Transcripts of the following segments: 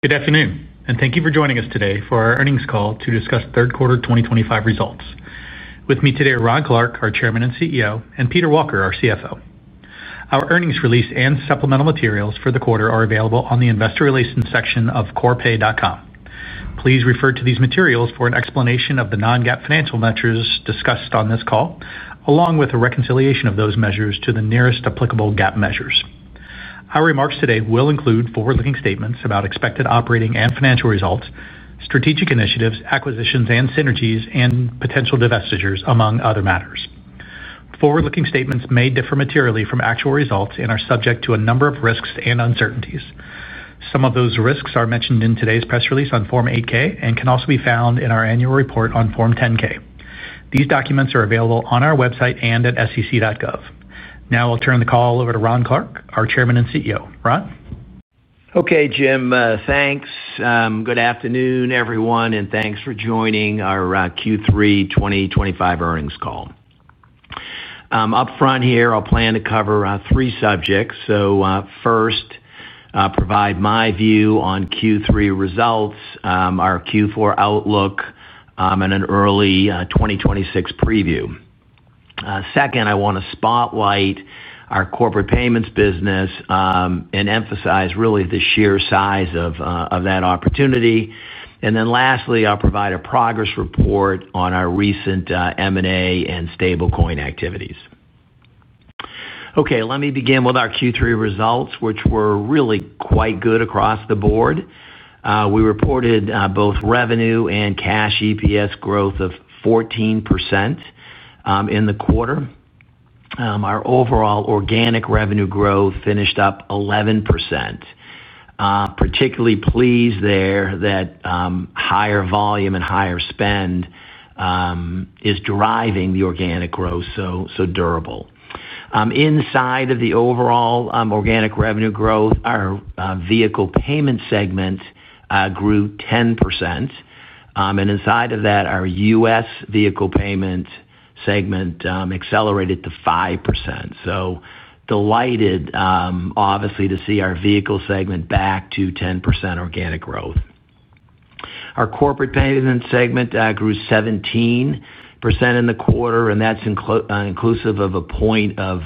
Good afternoon, and thank you for joining us today for our earnings call to discuss Third Quarter 2025 Results. With me today are Ron Clarke, our Chairman and CEO, and Peter Walker, our CFO. Our earnings release and supplemental materials for the quarter are available on the Investor Relations section of corpay.com. Please refer to these materials for an explanation of the non-GAAP financial measures discussed on this call, along with a reconciliation of those measures to the nearest applicable GAAP measures. Our remarks today will include forward-looking statements about expected operating and financial results, strategic initiatives, acquisitions and synergies, and potential divestitures, among other matters. Forward-looking statements may differ materially from actual results and are subject to a number of risks and uncertainties. Some of those risks are mentioned in today's press release on Form 8K and can also be found in our annual report on Form 10K. These documents are available on our website and at sec.gov. Now I'll turn the call over to Ron Clarke, our Chairman and CEO. Ron? Okay, Jim. Thanks. Good afternoon, everyone, and thanks for joining our Q3 2025 earnings call. Up front here, I'll plan to cover three subjects. First, provide my view on Q3 results, our Q4 outlook, and an early 2026 preview. Second, I want to spotlight our corporate payments business and emphasize really the sheer size of that opportunity. Lastly, I'll provide a progress report on our recent M&A and stablecoin activities. Okay, let me begin with our Q3 results, which were really quite good across the board. We reported both revenue and cash EPS growth of 14% in the quarter. Our overall organic revenue growth finished up 11%. Particularly pleased there that higher volume and higher spend is driving the organic growth so durable. Inside of the overall organic revenue growth, our vehicle payment segment grew 10%. Inside of that, our US vehicle payment segment accelerated to 5%. Delighted, obviously, to see our vehicle segment back to 10% organic growth. Our corporate payment segment grew 17% in the quarter, and that's inclusive of a point of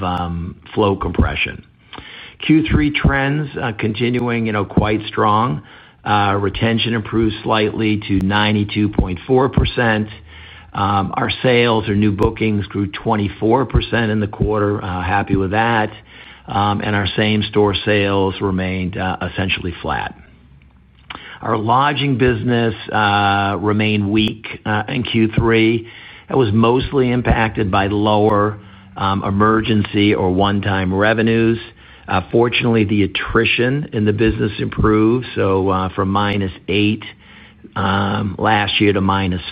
flow compression. Q3 trends continuing quite strong. Retention improved slightly to 92.4%. Our sales, or new bookings, grew 24% in the quarter. Happy with that. Our same-store sales remained essentially flat. Our lodging business remained weak in Q3. It was mostly impacted by lower emergency or one-time revenues. Fortunately, the attrition in the business improved, so from - 8 last year to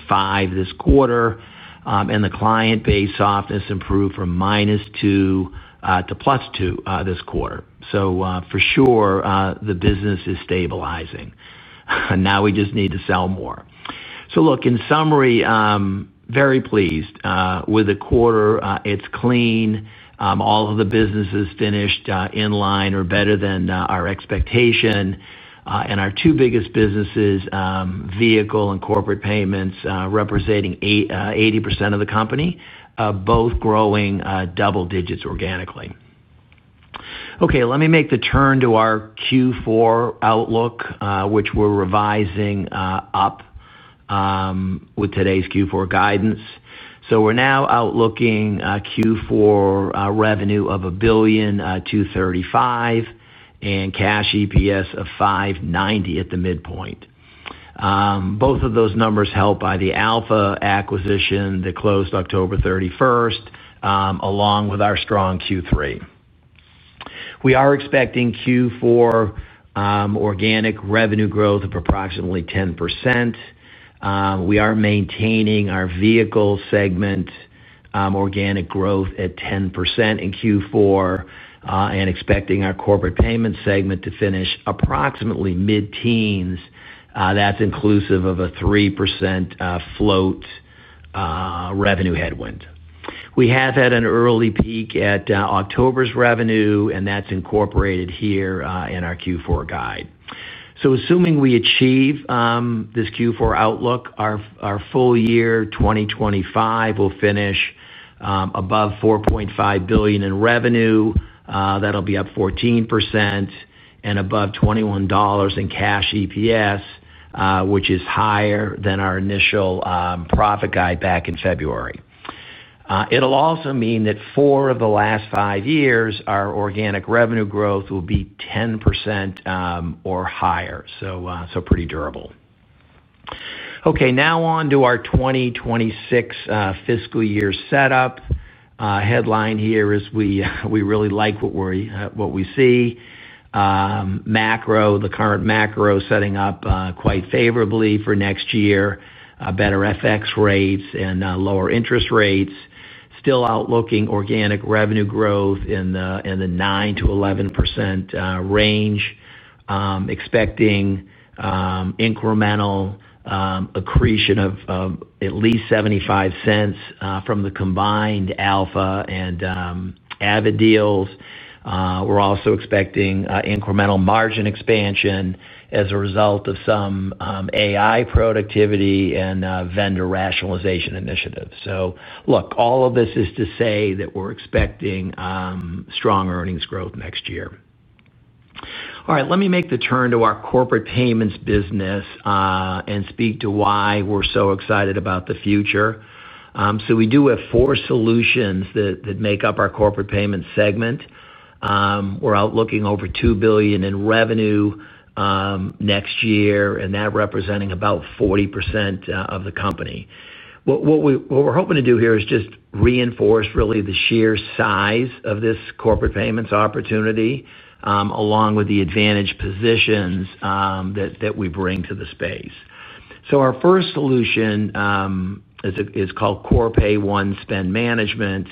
- 5 this quarter, and the client base softness improved from - 2 to + 2 this quarter. For sure, the business is stabilizing. Now we just need to sell more. In summary, very pleased with the quarter. It's clean. All of the businesses finished in line or better than our expectation. And our two biggest businesses, vehicle and corporate payments, representing 80% of the company, both growing double digits organically. Okay, let me make the turn to our Q4 outlook, which we're revising up with today's Q4 guidance. So we're now outlooking Q4 revenue of $1.235 billion and cash EPS of $5.90 at the midpoint. Both of those numbers helped by the Alpha acquisition that closed October 31. Along with our strong Q3, we are expecting Q4 organic revenue growth of approximately 10%. We are maintaining our vehicle segment organic growth at 10% in Q4 and expecting our corporate payments segment to finish approximately mid-teens. That's inclusive of a 3% float revenue headwind. We have had an early peak at October's revenue, and that's incorporated here in our Q4 guide. Assuming we achieve this Q4 outlook, our full year 2025 will finish above $4.5 billion in revenue. That'll be up 14%. And above $21 in cash EPS, which is higher than our initial profit guide back in February. It'll also mean that four of the last five years, our organic revenue growth will be 10% or higher. So pretty durable. Okay, now on to our 2026 fiscal year setup. Headline here is we really like what we see. Macro, the current macro setting up quite favorably for next year, better FX rates and lower interest rates. Still outlooking organic revenue growth in the 9-11% range. Expecting incremental accretion of at least $0.75 from the combined Alpha and Ava deals. We're also expecting incremental margin expansion as a result of some AI productivity and vendor rationalization initiatives. So look, all of this is to say that we're expecting strong earnings growth next year. All right, let me make the turn to our corporate payments business and speak to why we're so excited about the future. We do have four solutions that make up our corporate payments segment. We're outlooking over $2 billion in revenue next year, and that representing about 40% of the company. What we're hoping to do here is just reinforce really the sheer size of this corporate payments opportunity, along with the advantage positions that we bring to the space. Our first solution is called Corpay One Spend Management,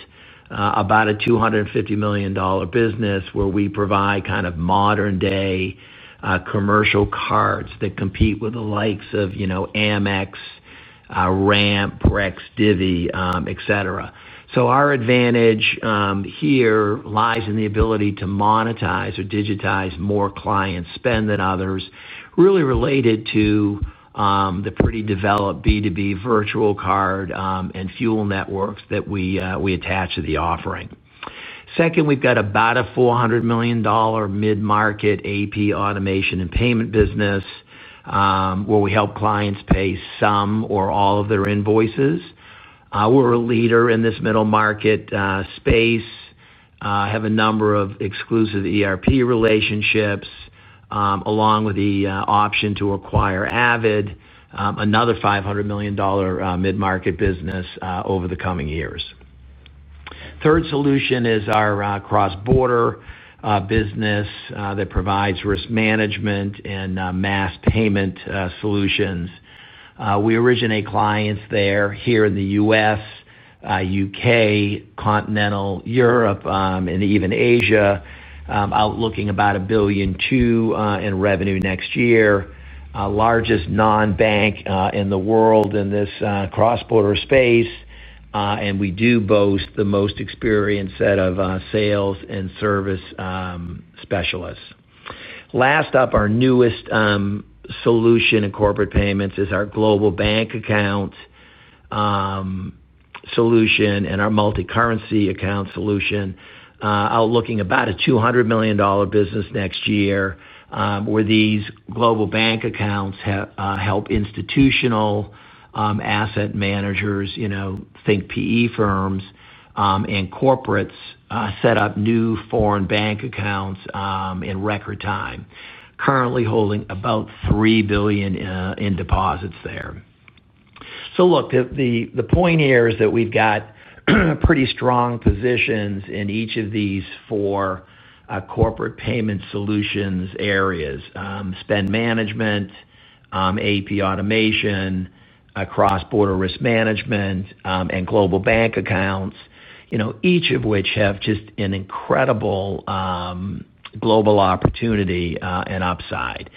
about a $250 million business where we provide kind of modern-day commercial cards that compete with the likes of Amex, Ramp, Brex, Divvy, etc. So our advantage. Here lies in the ability to monetize or digitize more client spend than others, really related to the pretty developed B2B virtual card and fuel networks that we attach to the offering. Second, we've got about a $400 million mid-market AP automation and payment business, where we help clients pay some or all of their invoices. We're a leader in this middle market space, have a number of exclusive ERP relationships, along with the option to acquire AvidXchange, another $500 million mid-market business over the coming years. Third solution is our cross-border business that provides risk management and mass payment solutions. We originate clients there, here in the U.S., U.K., Continental Europe, and even Asia, outlooking about $1.2 billion in revenue next year. Largest non-bank in the world in this cross-border space, and we do boast the most experienced set of sales and service specialists. Last up, our newest. Solution in corporate payments is our Global Bank Account solution and our Multi-Currency Account solution, outlooking about a $200 million business next year, where these Global Bank Accounts help institutional asset managers—think PE firms—and corporates set up new foreign bank accounts in record time. Currently holding about $3 billion in deposits there. Look, the point here is that we've got pretty strong positions in each of these four corporate payment solutions areas: spend management, AP automation, cross-border risk management, and global bank accounts, each of which have just an incredible global opportunity and upside.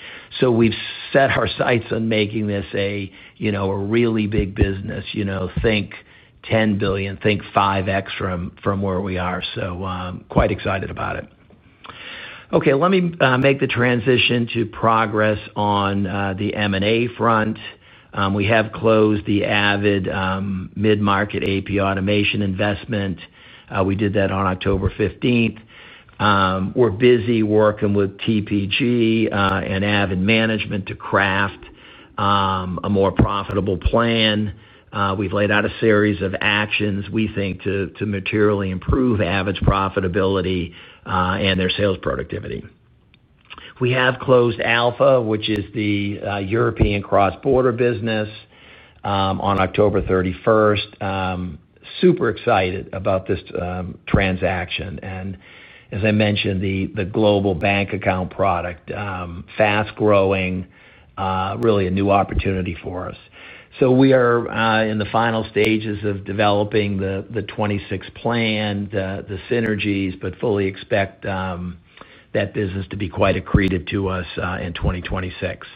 We've set our sights on making this a really big business. Think $10 billion, think 5X from where we are. Quite excited about it. Okay, let me make the transition to progress on the M&A front. We have closed the Avid mid-market AP automation investment. We did that on October 15th. We're busy working with TPG and Avid Management to craft a more profitable plan. We've laid out a series of actions we think to materially improve Avid's profitability and their sales productivity. We have closed Alpha, which is the European cross-border business, on October 31. Super excited about this transaction. As I mentioned, the global bank account product, fast-growing, really a new opportunity for us. We are in the final stages of developing the 2026 plan, the synergies, but fully expect that business to be quite accretive to us in 2026.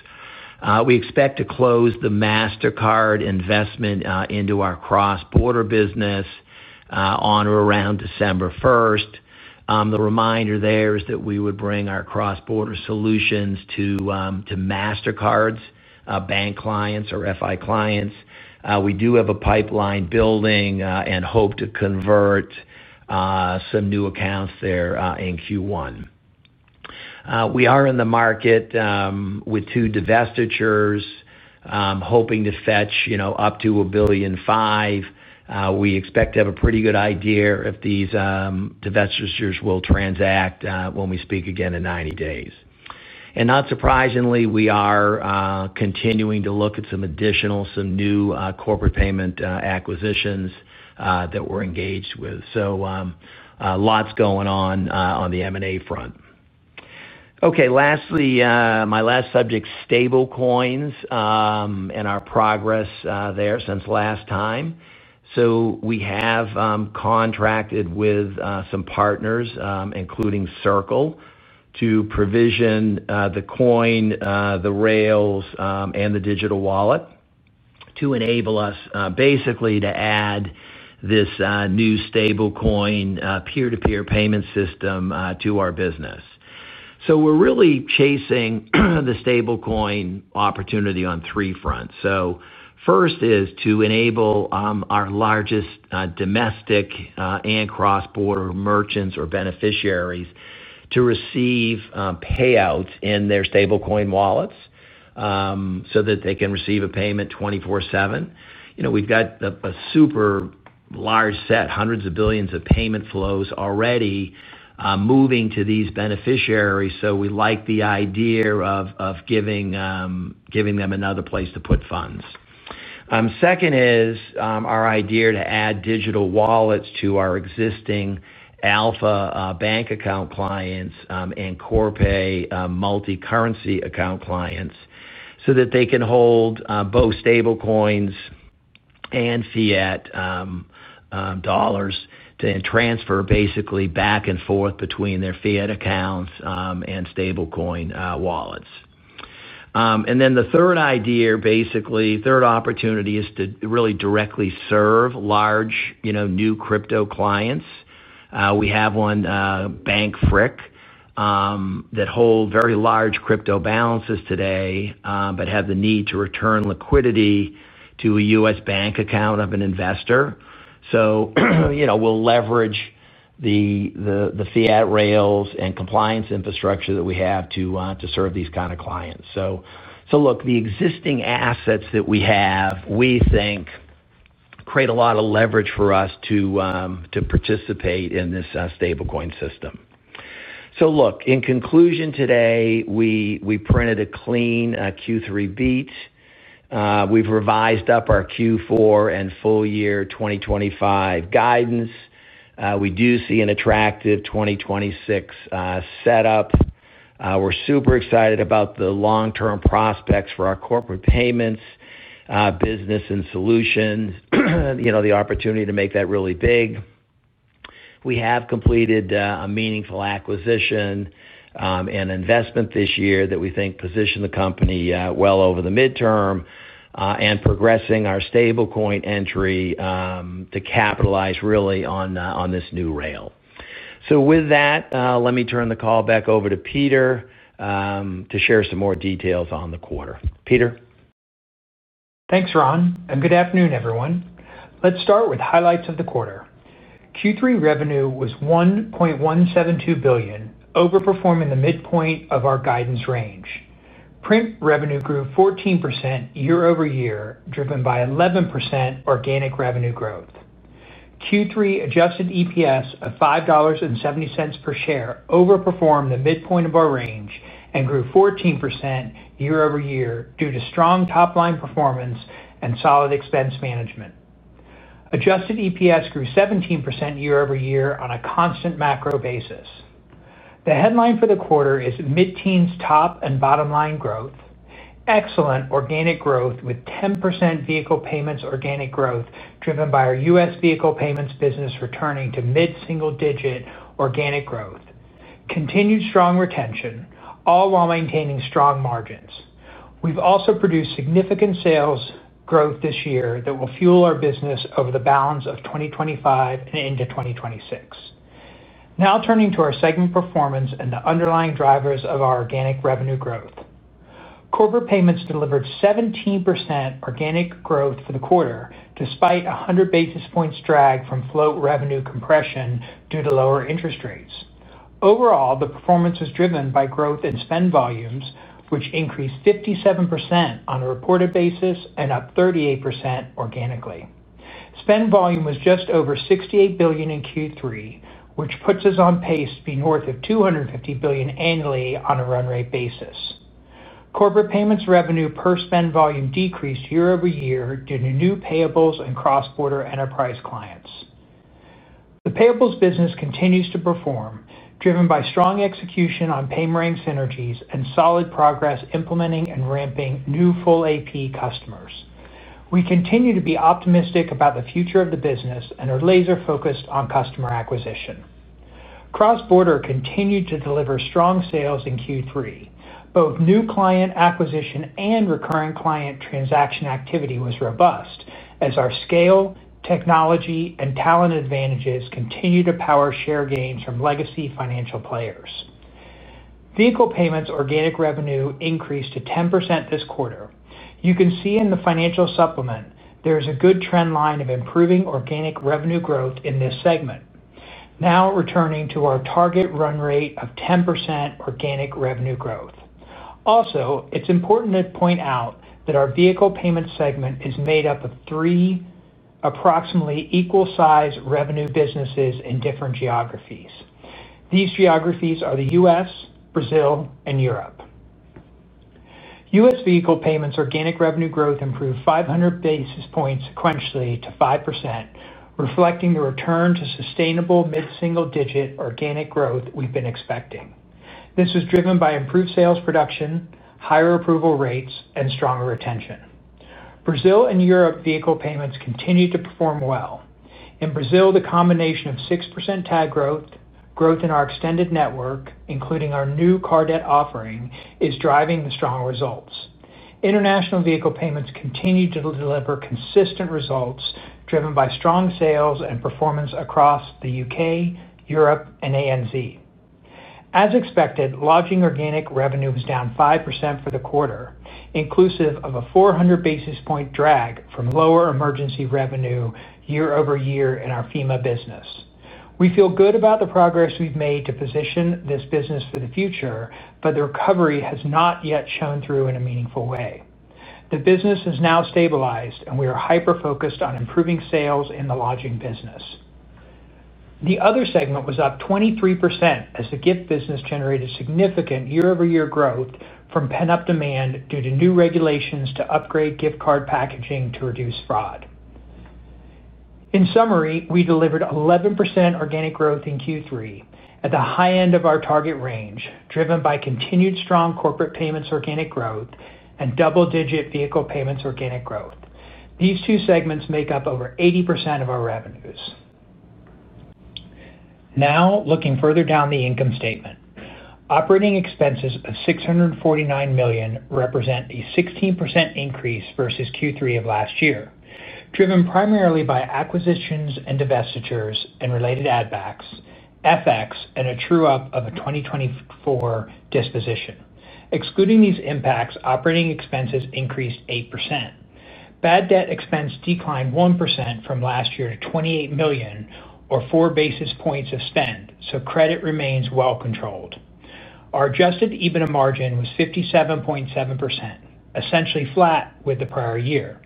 We expect to close the Mastercard investment into our cross-border business on or around December 1. The reminder there is that we would bring our cross-border solutions to Mastercard's bank clients or FI clients. We do have a pipeline building and hope to convert some new accounts there in Q1. We are in the market. With two divestitures. Hoping to fetch up to $1.5 billion. We expect to have a pretty good idea if these divestitures will transact when we speak again in 90 days. Not surprisingly, we are continuing to look at some additional, some new corporate payment acquisitions that we're engaged with. Lots going on on the M&A front. Okay, lastly, my last subject is stablecoins and our progress there since last time. We have contracted with some partners, including Circle, to provision the coin, the rails, and the digital wallet to enable us basically to add this new stablecoin peer-to-peer payment system to our business. We're really chasing the stablecoin opportunity on three fronts. First is to enable our largest domestic and cross-border merchants or beneficiaries to receive payouts in their stablecoin wallets so that they can receive a payment 24/7. We've got a super. Large set, hundreds of billions of payment flows already. Moving to these beneficiaries. We like the idea of giving them another place to put funds. Second is our idea to add digital wallets to our existing Alpha bank account clients and Corpay multi-currency account clients so that they can hold both stablecoins and fiat dollars to transfer basically back and forth between their fiat accounts and stablecoin wallets. The third idea, basically third opportunity, is to really directly serve large new crypto clients. We have one, Bank Frick, that holds very large crypto balances today but has the need to return liquidity to a US bank account of an investor. We will leverage the fiat rails and compliance infrastructure that we have to serve these kinds of clients. The existing assets that we have, we think, create a lot of leverage for us to. Participate in this stablecoin system. Look, in conclusion today, we printed a clean Q3 beat. We have revised up our Q4 and full year 2025 guidance. We do see an attractive 2026 setup. We are super excited about the long-term prospects for our corporate payments business and solutions, the opportunity to make that really big. We have completed a meaningful acquisition and investment this year that we think positioned the company well over the midterm and progressing our stablecoin entry to capitalize really on this new rail. With that, let me turn the call back over to Peter to share some more details on the quarter. Peter. Thanks, Ron. Good afternoon, everyone. Let's start with highlights of the quarter. Q3 revenue was $1.172 billion, overperforming the midpoint of our guidance range. Print revenue grew 14% year-over-year, driven by 11% organic revenue growth. Q3 Adjusted EPS of $5.70 per share overperformed the midpoint of our range and grew 14% year-over-year due to strong top-line performance and solid expense management. Adjusted EPS grew 17% year-over-year on a constant macro basis. The headline for the quarter is mid-teens top and bottom-line growth. Excellent organic growth with 10% vehicle payments organic growth driven by our US vehicle payments business returning to mid-single-digit organic growth. Continued strong retention, all while maintaining strong margins. We've also produced significant sales growth this year that will fuel our business over the balance of 2025 and into 2026. Now turning to our segment performance and the underlying drivers of our organic revenue growth. Corporate payments delivered 17% organic growth for the quarter despite 100 basis points drag from float revenue compression due to lower interest rates. Overall, the performance was driven by growth in spend volumes, which increased 57% on a reported basis and up 38% organically. Spend volume was just over $68 billion in Q3, which puts us on pace to be north of $250 billion annually on a run-rate basis. Corporate payments revenue per spend volume decreased year-over-year due to new payables and cross-border enterprise clients. The payables business continues to perform, driven by strong execution on Paymerang synergies and solid progress implementing and ramping new full AP customers. We continue to be optimistic about the future of the business and are laser-focused on customer acquisition. Cross-border continued to deliver strong sales in Q3. Both new client acquisition and recurring client transaction activity was robust as our scale, technology, and talent advantages continue to power share gains from legacy financial players. Vehicle payments organic revenue increased to 10% this quarter. You can see in the financial supplement, there is a good trend line of improving organic revenue growth in this segment. Now returning to our target run-rate of 10% organic revenue growth. Also, it's important to point out that our vehicle payment segment is made up of three approximately equal-sized revenue businesses in different geographies. These geographies are the US, Brazil, and Europe. US vehicle payments organic revenue growth improved 500 basis points sequentially to 5%, reflecting the return to sustainable mid-single-digit organic growth we've been expecting. This was driven by improved sales production, higher approval rates, and stronger retention. Brazil and Europe vehicle payments continue to perform well. In Brazil, the combination of 6% tag growth, growth in our extended network, including our new car debt offering, is driving the strong results. International vehicle payments continue to deliver consistent results driven by strong sales and performance across the U.K., Europe, and ANZ. As expected, lodging organic revenue was down 5% for the quarter, inclusive of a 400 basis point drag from lower emergency revenue year-over-year in our FEMA business. We feel good about the progress we've made to position this business for the future, but the recovery has not yet shone through in a meaningful way. The business has now stabilized, and we are hyper-focused on improving sales in the lodging business. The other segment was up 23% as the gift business generated significant year-over-year growth from pent-up demand due to new regulations to upgrade gift card packaging to reduce fraud. In summary, we delivered 11% organic growth in Q3 at the high end of our target range, driven by continued strong corporate payments organic growth and double-digit vehicle payments organic growth. These two segments make up over 80% of our revenues. Now, looking further down the income statement, operating expenses of $649 million represent a 16% increase versus Q3 of last year, driven primarily by acquisitions and divestitures and related add-backs, FX, and a true-up of a 2024 disposition. Excluding these impacts, operating expenses increased 8%. Bad debt expense declined 1% from last year to $28 million, or 4 basis points of spend, so credit remains well-controlled. Our Adjusted EBITDA margin was 57.7%, essentially flat with the prior year.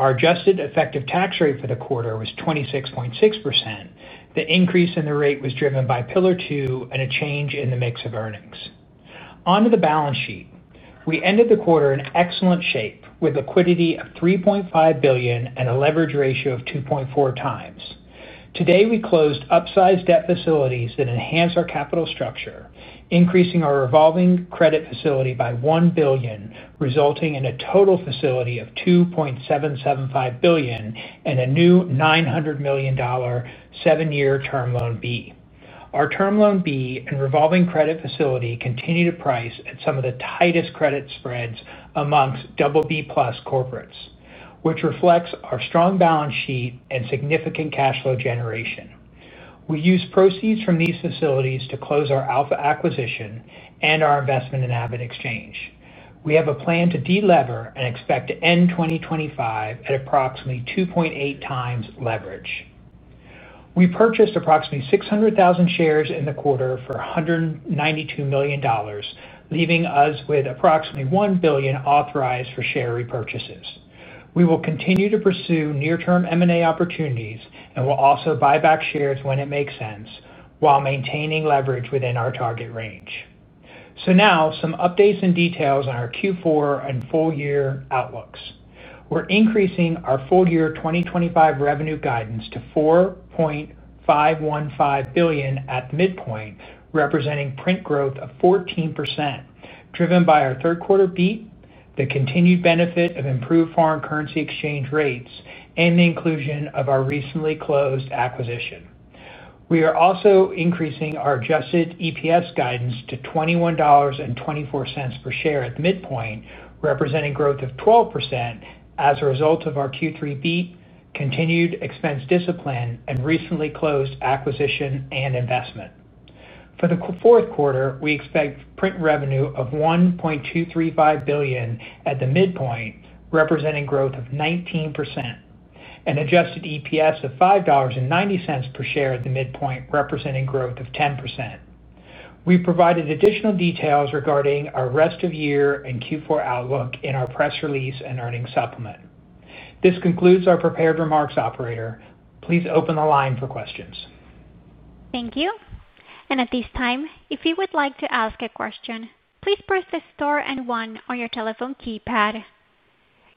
Our adjusted effective tax rate for the quarter was 26.6%. The increase in the rate was driven by Pillar 2 and a change in the mix of earnings. Onto the balance sheet. We ended the quarter in excellent shape with liquidity of $3.5 billion and a leverage ratio of 2.4x. Today, we closed upsized debt facilities that enhanced our capital structure, increasing our revolving credit facility by $1 billion, resulting in a total facility of $2.775 billion and a new $900 million seven-year term loan B. Our term loan B and revolving credit facility continue to price at some of the tightest credit spreads amongst BB Plus corporates, which reflects our strong balance sheet and significant cash flow generation. We used proceeds from these facilities to close our Alpha acquisition and our investment in AvidXchange. We have a plan to delever and expect to end 2025 at approximately 2.8x leverage. We purchased approximately 600,000 shares in the quarter for $192 million, leaving us with approximately $1 billion authorized for share repurchases. We will continue to pursue near-term M&A opportunities and will also buy back shares when it makes sense while maintaining leverage within our target range. Now, some updates and details on our Q4 and full year outlooks. We're increasing our full year 2025 revenue guidance to $4.515 billion at the midpoint, representing print growth of 14%, driven by our third-quarter beat, the continued benefit of improved foreign currency exchange rates, and the inclusion of our recently closed acquisition. We are also increasing our Adjusted EPS guidance to $21.24 per share at the midpoint, representing growth of 12% as a result of our Q3 beat, continued expense discipline, and recently closed acquisition and investment. For the fourth quarter, we expect print revenue of $1.235 billion at the midpoint, representing growth of 19%. Adjusted EPS of $5.90 per share at the midpoint, representing growth of 10%. We provided additional details regarding our rest of year and Q4 outlook in our press release and earnings supplement. This concludes our prepared remarks, operator. Please open the line for questions. Thank you. At this time, if you would like to ask a question, please press the star and one on your telephone keypad.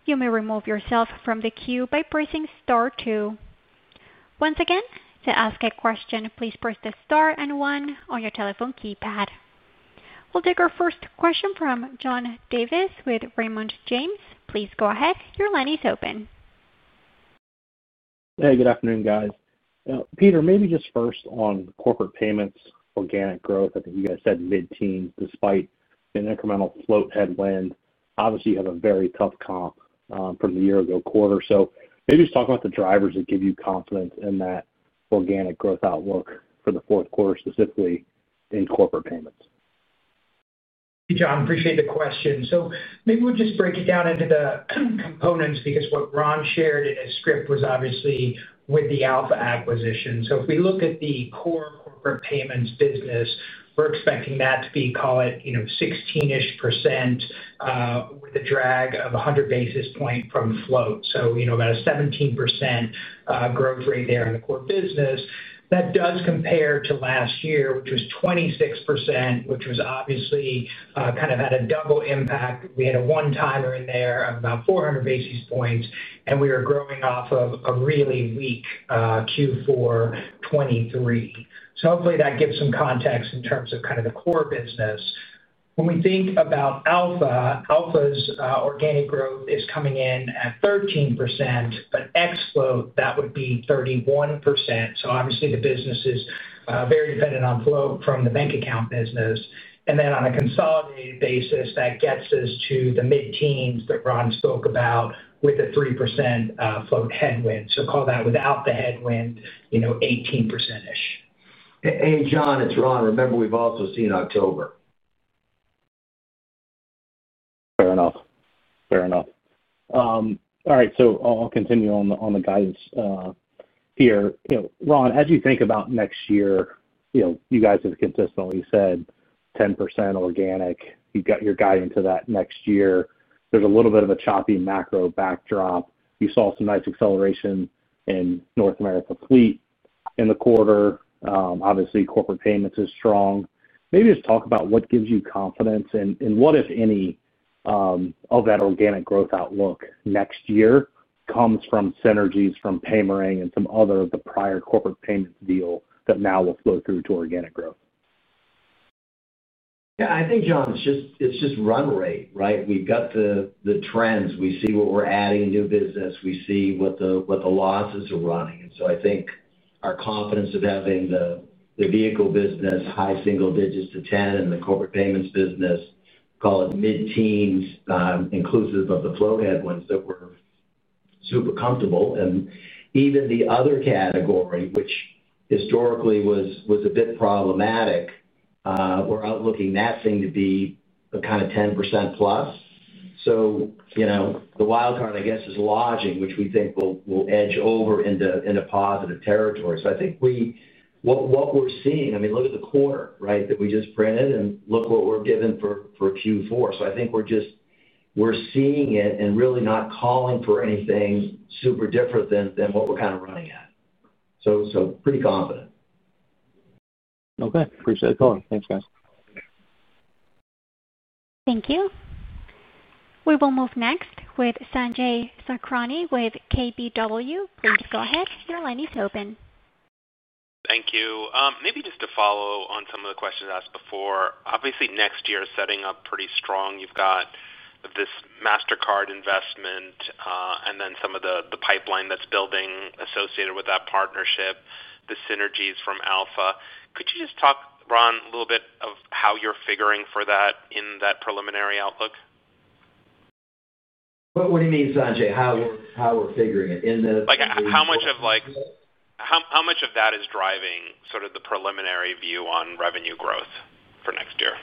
You may remove yourself from the queue by pressing star two. Once again, to ask a question, please press the star and one on your telephone keypad. We'll take our first question from John Davis with Raymond James. Please go ahead. Your line is open. Hey, good afternoon, guys. Peter, maybe just first on corporate payments, organic growth, I think you guys said mid-teens, despite an incremental float headwind. Obviously, you have a very tough comp from the year-ago quarter. Maybe just talk about the drivers that give you confidence in that organic growth outlook for the fourth quarter, specifically in corporate payments. Hey, John, appreciate the question. Maybe we'll just break it down into the components because what Ron shared in his script was obviously with the Alpha acquisition. If we look at the core corporate payments business, we're expecting that to be, call it, 16-ish %. With a drag of 100 basis points from float. About a 17% growth rate there in the core business. That does compare to last year, which was 26%, which obviously kind of had a double impact. We had a one-timer in there of about 400 basis points, and we were growing off of a really weak Q4 2023. Hopefully, that gives some context in terms of kind of the core business. When we think about Alpha, Alpha's organic growth is coming in at 13%, but ex-float, that would be 31%. Obviously, the business is very dependent on float from the bank account business. Then on a consolidated basis, that gets us to the mid-teens that Ron spoke about with a 3% float headwind. Call that without the headwind, 18%-ish. Hey, John, it's Ron. Remember, we've also seen October. Fair enough. Fair enough. All right. I'll continue on the guidance. Here. Ron, as you think about next year, you guys have consistently said 10% organic. You've got your guidance to that next year. There's a little bit of a choppy macro backdrop. You saw some nice acceleration in North America fleet in the quarter. Obviously, corporate payments is strong. Maybe just talk about what gives you confidence and what, if any. Of that organic growth outlook next year comes from synergies from Paymerang and some other of the prior corporate payments deal that now will flow through to organic growth. Yeah, I think, John, it's just run rate, right? We've got the trends. We see what we're adding in new business. We see what the losses are running. I think our confidence of having the vehicle business, high-single-digits to 10, and the corporate payments business, call it mid-teens, inclusive of the float headwinds, that we're super comfortable. Even the other category, which historically was a bit problematic, we're outlooking that thing to be kind of 10% +. The wild card, I guess, is lodging, which we think will edge over into positive territory. I think. What we're seeing, I mean, look at the quarter, right, that we just printed and look what we're giving for Q4. I think we're just seeing it and really not calling for anything super different than what we're kind of running at. Pretty confident. Okay. Appreciate the call. Thanks, guys. Thank you. We will move next with Sanjay Sakhrani with KBW. Please go ahead. Your line is open. Thank you. Maybe just to follow on some of the questions asked before. Obviously, next year is setting up pretty strong. You've got this Mastercard investment and then some of the pipeline that's building associated with that partnership, the synergies from Alpha. Could you just talk, Ron, a little bit of how you're figuring for that in that preliminary outlook? What do you mean, Sanjay? How we're figuring it in the. How much of that is driving sort of the preliminary view on revenue growth for next year?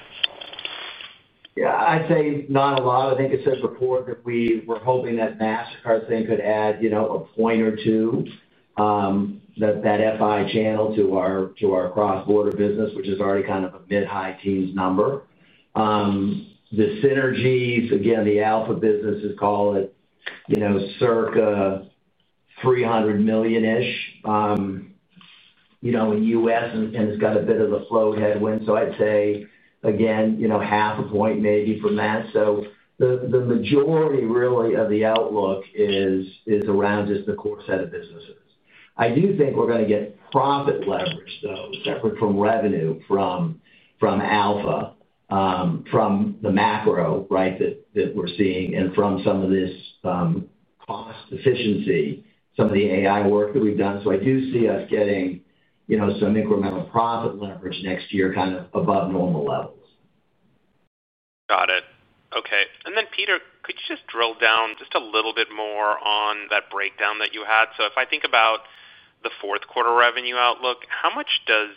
Yeah, I'd say not a lot. I think I said before that we were hoping that Mastercard thing could add a point or two. That FI channel to our cross-border business, which is already kind of a mid-high teens number. The synergies, again, the Alpha businesses, call it circa $300 million-ish in US, and it's got a bit of a float headwind. I'd say, again, half a point maybe from that. The majority, really, of the outlook is around just the core set of businesses. I do think we're going to get profit leverage, though, separate from revenue from Alpha, from the macro, right, that we're seeing, and from some of this cost efficiency, some of the AI work that we've done. I do see us getting some incremental profit leverage next year kind of above normal levels. Got it. Okay. Peter, could you just drill down just a little bit more on that breakdown that you had? If I think about the fourth quarter revenue outlook, how much does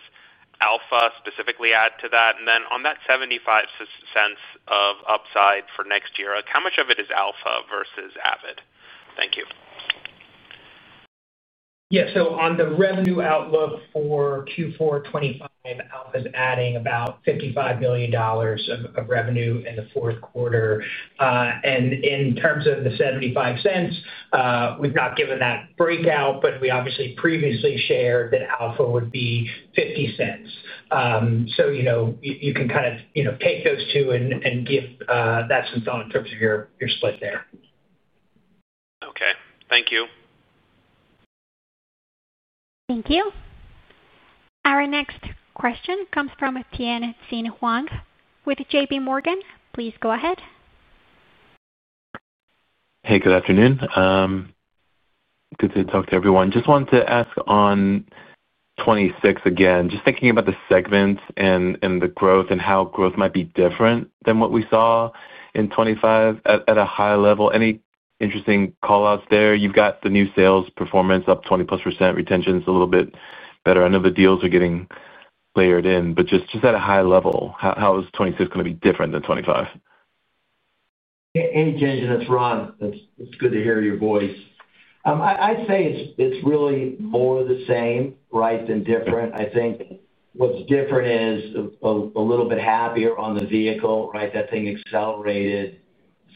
Alpha specifically add to that? On that $0.75 of upside for next year, how much of it is Alpha versus Avid? Thank you. Yeah. On the revenue outlook for Q4 2025, Alpha is adding about $55 million of revenue in the fourth quarter. In terms of the $0.75, we've not given that breakout, but we obviously previously shared that Alpha would be $0.50. You can kind of take those two and give that some thought in terms of your split there. Okay. Thank you. Thank you. Our next question comes from Tien Tsin Huang with JPMorgan. Please go ahead. Hey, good afternoon. Good to talk to everyone. Just wanted to ask on 2026 again, just thinking about the segments and the growth and how growth might be different than what we saw in 2025 at a high level, any interesting callouts there? You've got the new sales performance up 20 + percentage, retention's a little bit better. I know the deals are getting layered in, but just at a high level, how is 2026 going to be different than 2025? Hey, Tien, that's Ron. It's good to hear your voice. I'd say it's really more the same, right, than different. I think what's different is a little bit happier on the vehicle, right? That thing accelerated.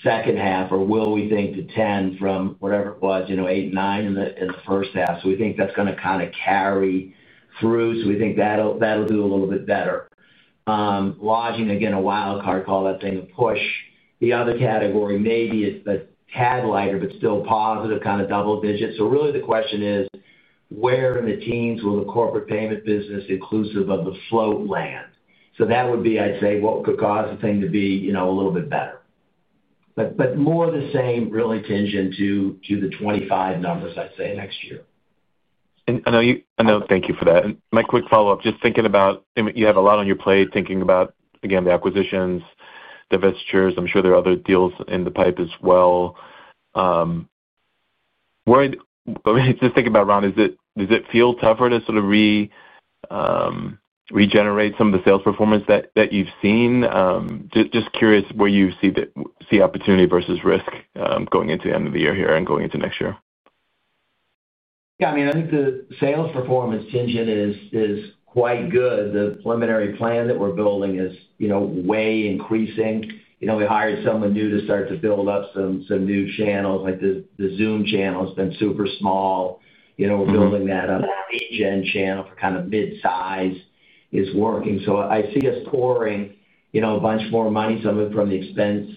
Second half, or will we think to 10 from whatever it was, 8 and 9 in the first half? We think that's going to kind of carry through. We think that'll do a little bit better. Lodging, again, a wild card, call that thing a push. The other category maybe is the taglighter, but still positive, kind of double digits. Really the question is, where in the teens will the corporate payment business, inclusive of the float, land? That would be, I'd say, what could cause the thing to be a little bit better. More of the same, really, tinge into the 2025 numbers, I'd say, next year. I know, thank you for that. My quick follow-up, just thinking about you have a lot on your plate, thinking about, again, the acquisitions, the vestures. I'm sure there are other deals in the pipe as well. Just thinking about, Ron, does it feel tougher to sort of regenerate some of the sales performance that you've seen? Just curious where you see the opportunity versus risk going into the end of the year here and going into next year. Yeah. I mean, I think the sales performance tinge in is quite good. The preliminary plan that we're building is way increasing. We hired someone new to start to build up some new channels. The Zoom channel has been super small. We're building that up. The 8Gen channel for kind of mid-size is working. I see us pouring a bunch more money, some of it from the expense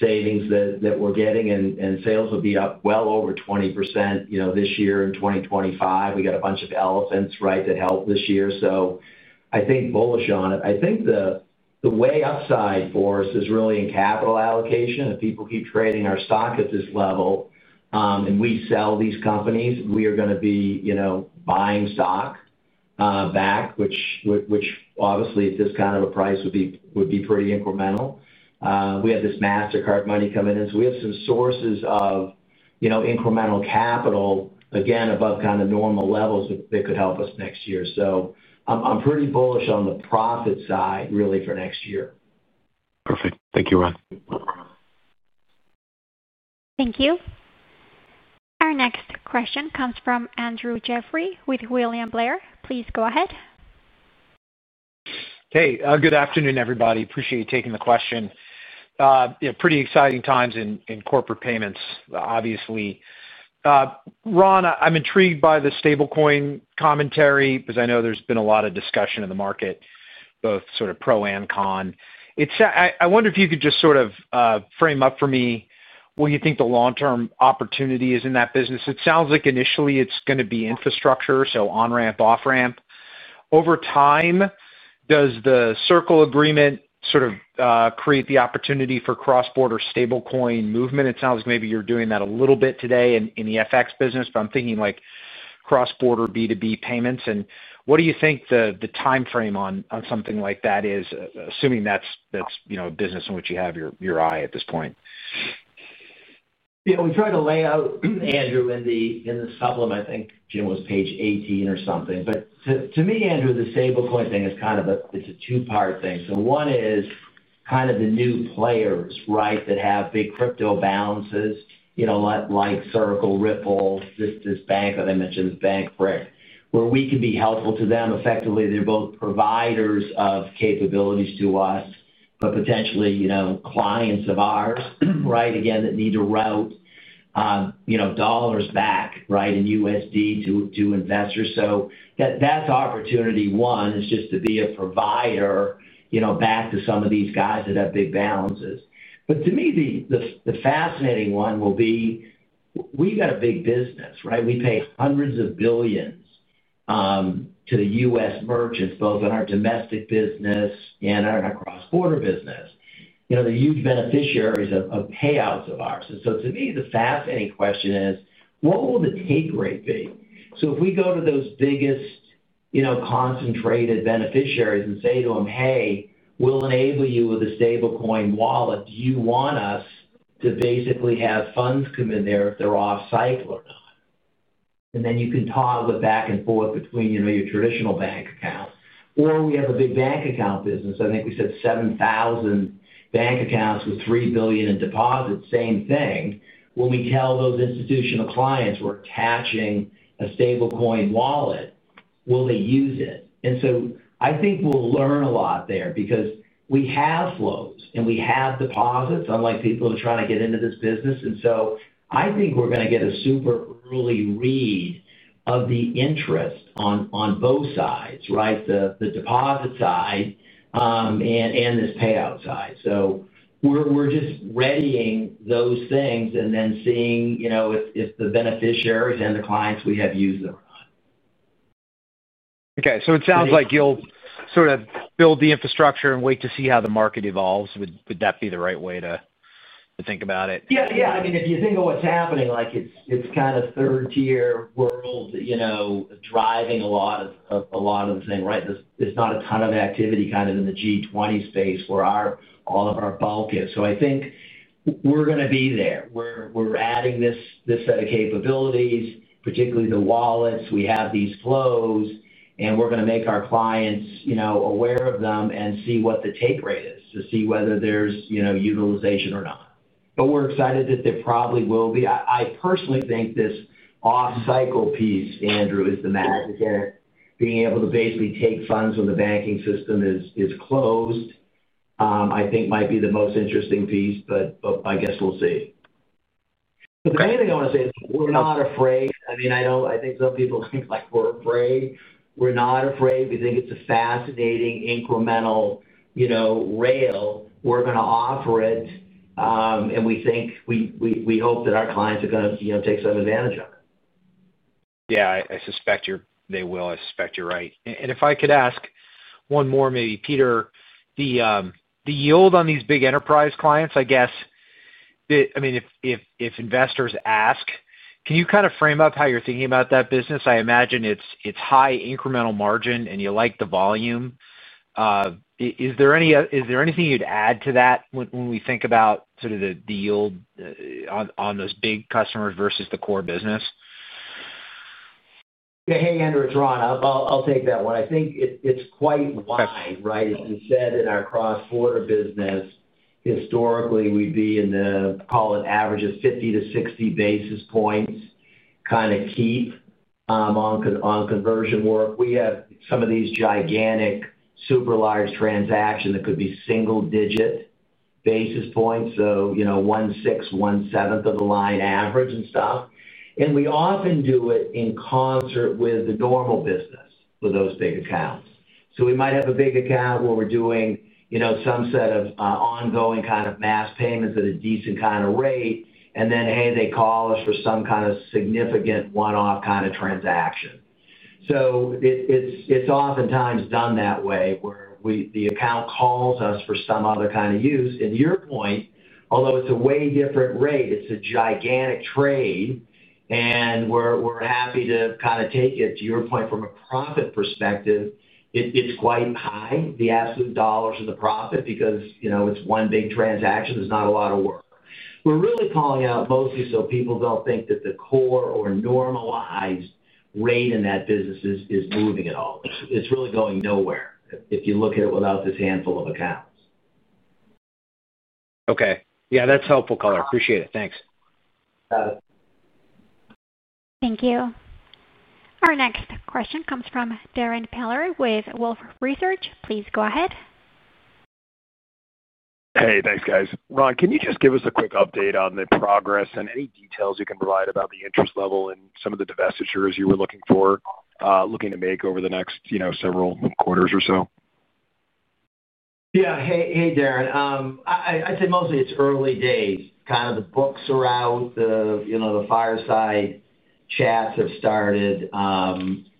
savings that we're getting, and sales will be up well over 20% this year and 2025. We got a bunch of elephants, right, that help this year. I think bullish on it. I think the way upside for us is really in capital allocation. If people keep trading our stock at this level and we sell these companies, we are going to be buying stock back, which obviously at this kind of a price would be pretty incremental. We have this Mastercard money coming in, so we have some sources of incremental capital, again, above kind of normal levels that could help us next year. I am pretty bullish on the profit side, really, for next year. Perfect. Thank you, Ron. Thank you. Our next question comes from Andrew Jeffrey with William Blair. Please go ahead. Hey, good afternoon, everybody. Appreciate you taking the question. Pretty exciting times in corporate payments, obviously. Ron, I am intrigued by the stablecoin commentary because I know there has been a lot of discussion in the market, both sort of pro and con. I wonder if you could just sort of frame up for me what you think the long-term opportunity is in that business. It sounds like initially it's going to be infrastructure, so on-ramp, off-ramp. Over time, does the Circle agreement sort of create the opportunity for cross-border stablecoin movement? It sounds like maybe you're doing that a little bit today in the FX business, but I'm thinking like cross-border B2B payments. What do you think the timeframe on something like that is, assuming that's a business in which you have your eye at this point? Yeah. We tried to lay out, Andrew, in the supplement, I think it was page 18 or something. To me, Andrew, the stablecoin thing is kind of a two-part thing. One is kind of the new players, right, that have big crypto balances. Like Circle, Ripple, this bank that I mentioned, this bank, where we can be helpful to them. Effectively, they're both providers of capabilities to us, but potentially clients of ours, right, again, that need to route dollars back, right, in USD to investors. That's opportunity one, is just to be a provider back to some of these guys that have big balances. To me, the fascinating one will be, we've got a big business, right? We pay hundreds of billions to the U.S. merchants, both in our domestic business and our cross-border business. The huge beneficiaries of payouts of ours. To me, the fascinating question is, what will the take rate be? If we go to those biggest concentrated beneficiaries and say to them, "Hey, we'll enable you with a stablecoin wallet. Do you want us to basically have funds come in there if they're off-cycle or not? You can toggle back and forth between your traditional bank accounts. We have a big bank account business. I think we said 7,000 bank accounts with $3 billion in deposits, same thing. When we tell those institutional clients we're attaching a stablecoin wallet, will they use it? I think we'll learn a lot there because we have flows and we have deposits, unlike people who are trying to get into this business. I think we're going to get a super early read of the interest on both sides, the deposit side and this payout side. We are just readying those things and then seeing if the beneficiaries and the clients we have use them or not. Okay. It sounds like you'll sort of build the infrastructure and wait to see how the market evolves. Would that be the right way to think about it? Yeah. Yeah. I mean, if you think of what's happening, it's kind of third-tier world driving a lot of the thing, right? There's not a ton of activity kind of in the G20 space where all of our bulk is. I think we're going to be there. We're adding this set of capabilities, particularly the wallets. We have these flows, and we're going to make our clients aware of them and see what the take rate is, to see whether there's utilization or not. We're excited that there probably will be. I personally think this off-cycle piece, Andrew, is the magic in it. Being able to basically take funds when the banking system is closed. I think might be the most interesting piece, but I guess we'll see. The main thing I want to say is we're not afraid. I mean, I think some people think we're afraid. We're not afraid. We think it's a fascinating incremental rail. We're going to offer it. We think. We hope that our clients are going to take some advantage of it. Yeah. I suspect they will. I suspect you're right. If I could ask one more, maybe, Peter, the yield on these big enterprise clients, I guess. I mean, if investors ask, can you kind of frame up how you're thinking about that business? I imagine it's high incremental margin and you like the volume. Is there anything you'd add to that when we think about sort of the yield on those big customers versus the core business? Yeah. Hey, Andrew, it's Ron. I'll take that one. I think it's quite wide, right? As you said, in our cross-border business. Historically, we'd be in the, call it average, of 50-60 basis points kind of keep. On conversion work. We have some of these gigantic super large transactions that could be single-digit basis points, so 1/6, 1/7 of the line average and stuff. We often do it in concert with the normal business for those big accounts. We might have a big account where we're doing some set of ongoing kind of mass payments at a decent kind of rate, and then, hey, they call us for some kind of significant one-off kind of transaction. It's oftentimes done that way where the account calls us for some other kind of use. To your point, although it's a way different rate, it's a gigantic trade, and we're happy to kind of take it. To your point, from a profit perspective, it's quite high, the absolute dollars of the profit because it's one big transaction. There's not a lot of work. We're really calling out mostly so people don't think that the core or normalized rate in that business is moving at all. It's really going nowhere if you look at it without this handful of accounts. Okay. Yeah. That's helpful, caller. Appreciate it. Thanks. Got it. Thank you. Our next question comes from Darrin Peller with Wolfe Research. Please go ahead. Hey, thanks, guys. Ron, can you just give us a quick update on the progress and any details you can provide about the interest level and some of the divestitures you were looking to make over the next several quarters or so? Yeah. Hey, Darrin? I'd say mostly it's early days. Kind of the books are out. The fireside chats have started.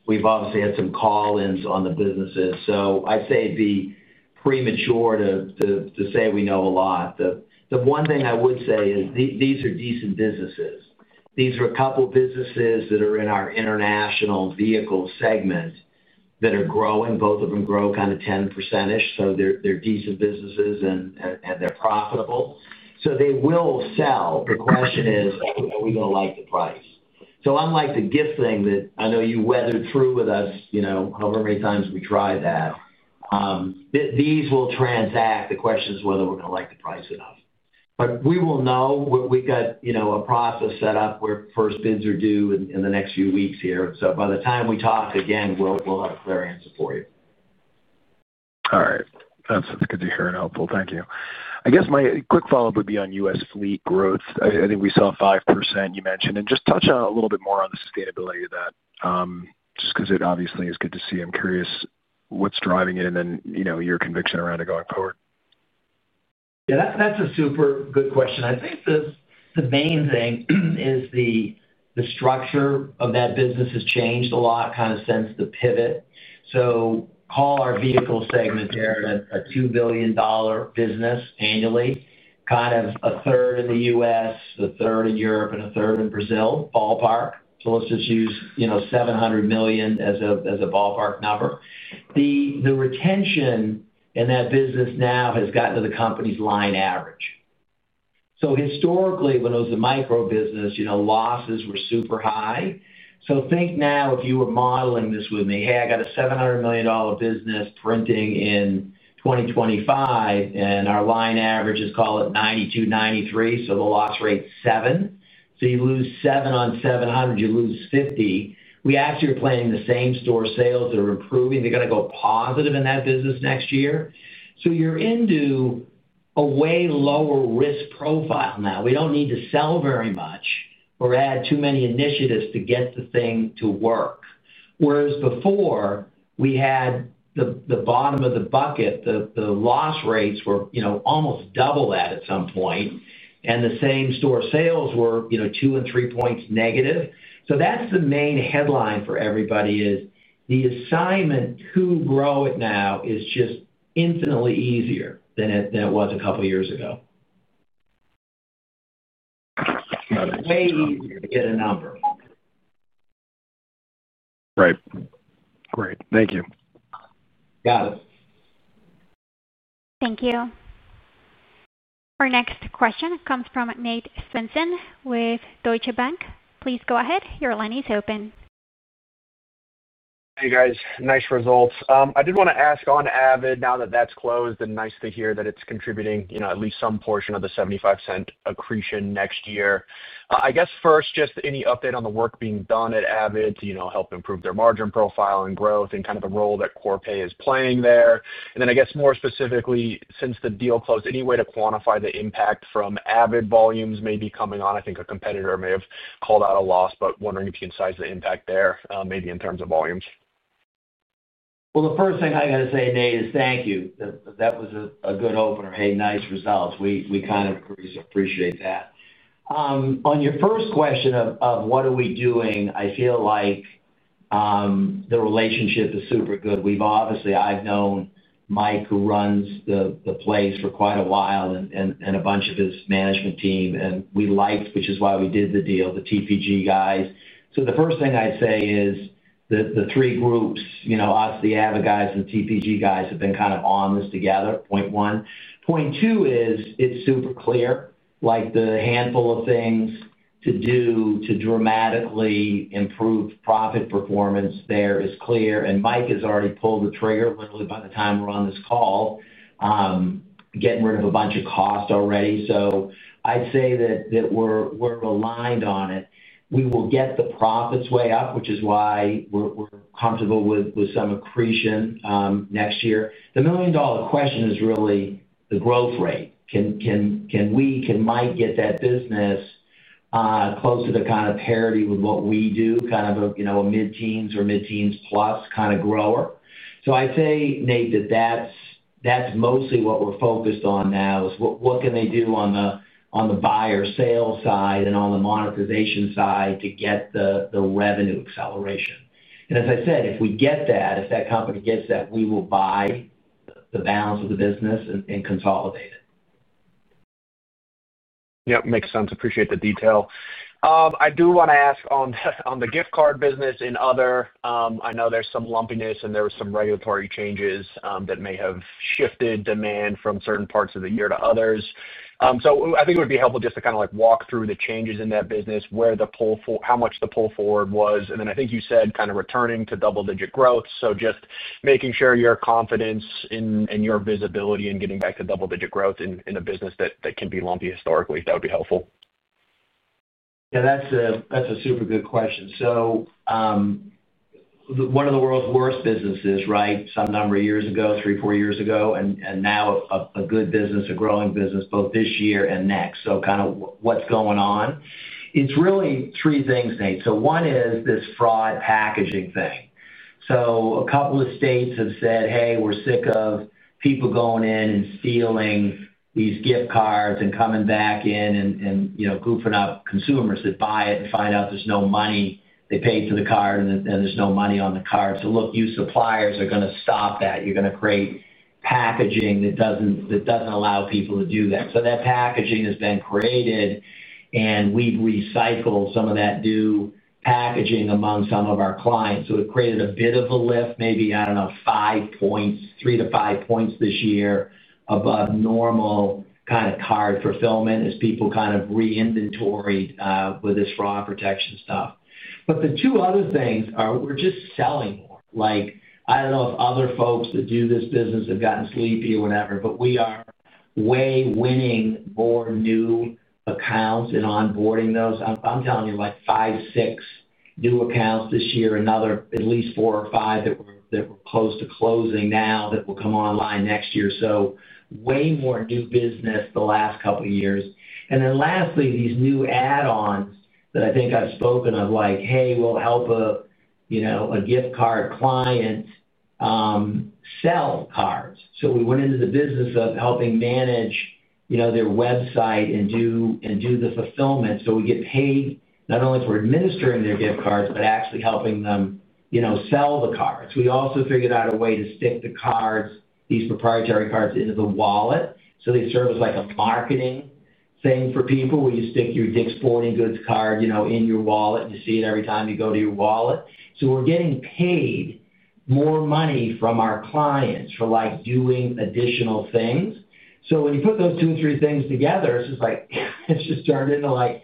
We've obviously had some call-ins on the businesses. I'd say it'd be premature to say we know a lot. The one thing I would say is these are decent businesses. These are a couple of businesses that are in our international vehicle segment that are growing. Both of them grow kind of 10%-ish, so they're decent businesses and they're profitable. They will sell. The question is, are we going to like the price? Unlike the gift thing that I know you weathered through with us however many times we tried that, these will transact. The question is whether we're going to like the price enough, but we will know. We've got a process set up where first bids are due in the next few weeks here. By the time we talk again, we'll have a clear answer for you. All right. That's good to hear and helpful, thank you. I guess my quick follow-up would be on U.S. fleet growth. I think we saw 5% you mentioned, and just touch on a little bit more on the sustainability of that, just because it obviously is good to see. I'm curious what's driving it and then your conviction around it going forward. Yeah. That's a super good question. I think the main thing is the structure of that business has changed a lot kind of since the pivot. Call our vehicle segment, a $2 billion business annually, kind of 1/3 in the U.S., 1/3 in Europe, and 1/3 in Brazil, ballpark. Let's just use $700 million as a ballpark number. The retention in that business now has gotten to the company's line average. Historically, when it was a micro business, losses were super high. Think now if you were modeling this with me, "Hey, I got a $700 million business printing in 2025, and our line average is, call it, 92, 93, so the loss rate's 7." You lose 7 on 700. You lose 50. We actually are planning the same store sales. They're improving. They're going to go positive in that business next year. You're into a way lower risk profile now. We do not need to sell very much or add too many initiatives to get the thing to work. Whereas before, we had the bottom of the bucket, the loss rates were almost double that at some point, and the same store sales were two and three points -. That is the main headline for everybody: the assignment to grow it now is just infinitely easier than it was a couple of years ago. Way easier to get a number. Right. Great. Thank you. Got it. Thank you. Our next question comes from Nate Svensson with Deutsche Bank. Please go ahead. Your line is open. Hey, guys. Nice results. I did want to ask on Avid, now that that is closed, and nice to hear that it is contributing at least some portion of the $0.75 cent accretion next year. I guess first, just any update on the work being done at Avid to help improve their margin profile and growth and kind of the role that Corpay is playing there. Then I guess more specifically, since the deal closed, any way to quantify the impact from Avid volumes maybe coming on? I think a competitor may have called out a loss, but wondering if you can size the impact there, maybe in terms of volumes. The first thing I got to say, Nate, is thank you. That was a good opener. Hey, nice results. We kind of appreciate that. On your first question of what are we doing, I feel like the relationship is super good. Obviously, I've known Mike who runs the place for quite a while and a bunch of his management team, and we liked, which is why we did the deal, the TPG guys. The first thing I'd say is the three groups, us, the Avid guys, and the TPG guys, have been kind of on this together. Point one. Point two is it's super clear. The handful of things to do to dramatically improve profit performance there is clear. Mike has already pulled the trigger literally by the time we're on this call, getting rid of a bunch of cost already. I'd say that we're aligned on it. We will get the profits way up, which is why we're comfortable with some accretion next year. The million-dollar question is really the growth rate. Can Mike get that business. Closer to kind of parity with what we do, kind of a mid-teens or mid-teens plus kind of grower? I'd say, Nate, that that's mostly what we're focused on now, is what can they do on the buyer sale side and on the monetization side to get the revenue acceleration? As I said, if we get that, if that company gets that, we will buy the balance of the business and consolidate it. Yep. Makes sense. Appreciate the detail. I do want to ask on the gift card business and other, I know there's some lumpiness and there were some regulatory changes that may have shifted demand from certain parts of the year to others. I think it would be helpful just to kind of walk through the changes in that business, how much the pull forward was. I think you said kind of returning to double-digit growth. Just making sure your confidence and your visibility in getting back to double-digit growth in a business that can be lumpy historically, that would be helpful. Yeah. That's a super good question. One of the world's worst businesses, right, some number of years ago, 3, 4 years ago, and now a good business, a growing business, both this year and next. Kind of what's going on? It's really three things, Nate. One is this fraud packaging thing. A couple of states have said, "Hey, we're sick of people going in and stealing these gift cards and coming back in and goofing up consumers that buy it and find out there's no money. They paid for the card, and there's no money on the card." Look, you suppliers are going to stop that. You're going to create packaging that doesn't allow people to do that. That packaging has been created. We've recycled some of that new packaging among some of our clients. It created a bit of a lift, maybe, I don't know, 3-5 points this year above normal kind of card fulfillment as people kind of reinventoried with this fraud protection stuff. The two other things are we're just selling more. I don't know if other folks that do this business have gotten sleepy or whatever, but we are way winning more new accounts and onboarding those. I'm telling you, like 5, 6 new accounts this year, another at least four or five that we're close to closing now that will come online next year. Way more new business the last couple of years. Lastly, these new add-ons that I think I've spoken of like, "Hey, we'll help a gift card client sell cards." We went into the business of helping manage their website and do the fulfillment. We get paid not only for administering their gift cards, but actually helping them sell the cards. We also figured out a way to stick the cards, these proprietary cards, into the wallet. They serve as a marketing thing for people where you stick your Dick's Sporting Goods card in your wallet, and you see it every time you go to your wallet. We're getting paid more money from our clients for doing additional things. When you put those two or three things together, it's just turned into a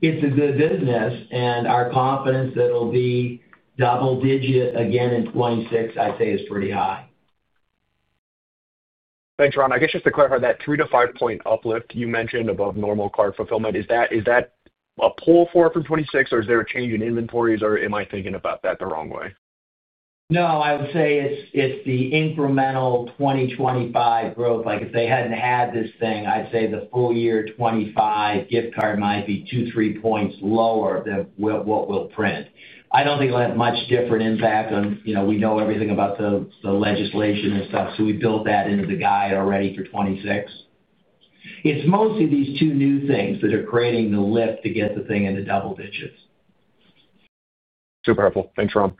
good business. Our confidence that it'll be double-digit again in 2026, I'd say, is pretty high. Thanks, Ron. I guess just to clarify, that three to five-point uplift you mentioned above normal card fulfillment, is that a pull forward from 2026, or is there a change in inventories, or am I thinking about that the wrong way? No, I would say it's the incremental 2025 growth. If they hadn't had this thing, I'd say the full year 2025 gift card might be two, three points lower than what we'll print. I don't think it'll have much different impact on—we know everything about the legislation and stuff, so we built that into the guide already for 2026. It's mostly these two new things that are creating the lift to get the thing into double-digits. Super helpful. Thanks, Ron.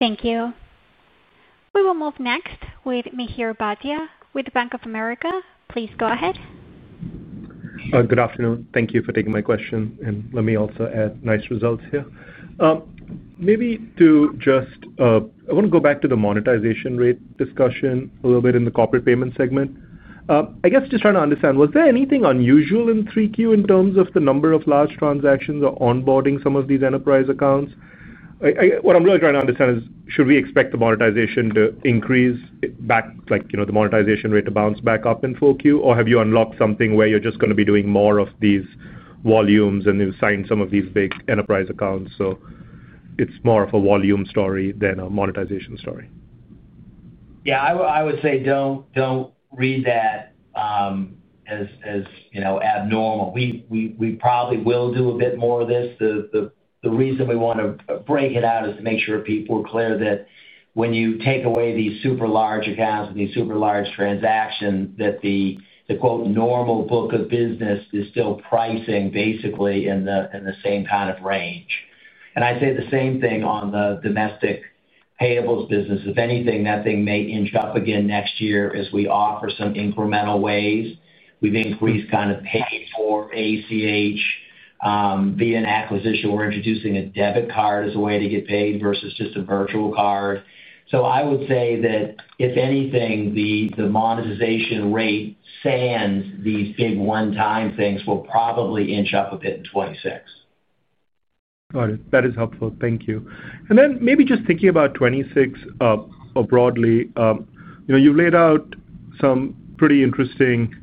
Thank you. We will move next with Mihir Bhatia with Bank of America. Please go ahead. Good afternoon. Thank you for taking my question. Let me also add, nice results here. Maybe to just, I want to go back to the monetization rate discussion a little bit in the corporate payment segment. I guess just trying to understand, was there anything unusual in 3Q in terms of the number of large transactions or onboarding some of these enterprise accounts? What I'm really trying to understand is, should we expect the monetization to increase back, the monetization rate to bounce back up in 4Q, or have you unlocked something where you're just going to be doing more of these volumes and you've signed some of these big enterprise accounts? It is more of a volume story than a monetization story. Yeah. I would say do not read that as abnormal. We probably will do a bit more of this. The reason we want to break it out is to make sure people are clear that when you take away these super large accounts and these super large transactions, that the "normal book of business" is still pricing, basically, in the same kind of range. I would say the same thing on the domestic payables business. If anything, that thing may inch up again next year as we offer some incremental ways. We have increased kind of pay for ACH. Via an acquisition, we are introducing a debit card as a way to get paid versus just a virtual card. I would say that, if anything, the monetization rate sans these big one-time things will probably inch up a bit in 2026. Got it. That is helpful. Thank you. Maybe just thinking about 2026. Broadly, you've laid out some pretty interesting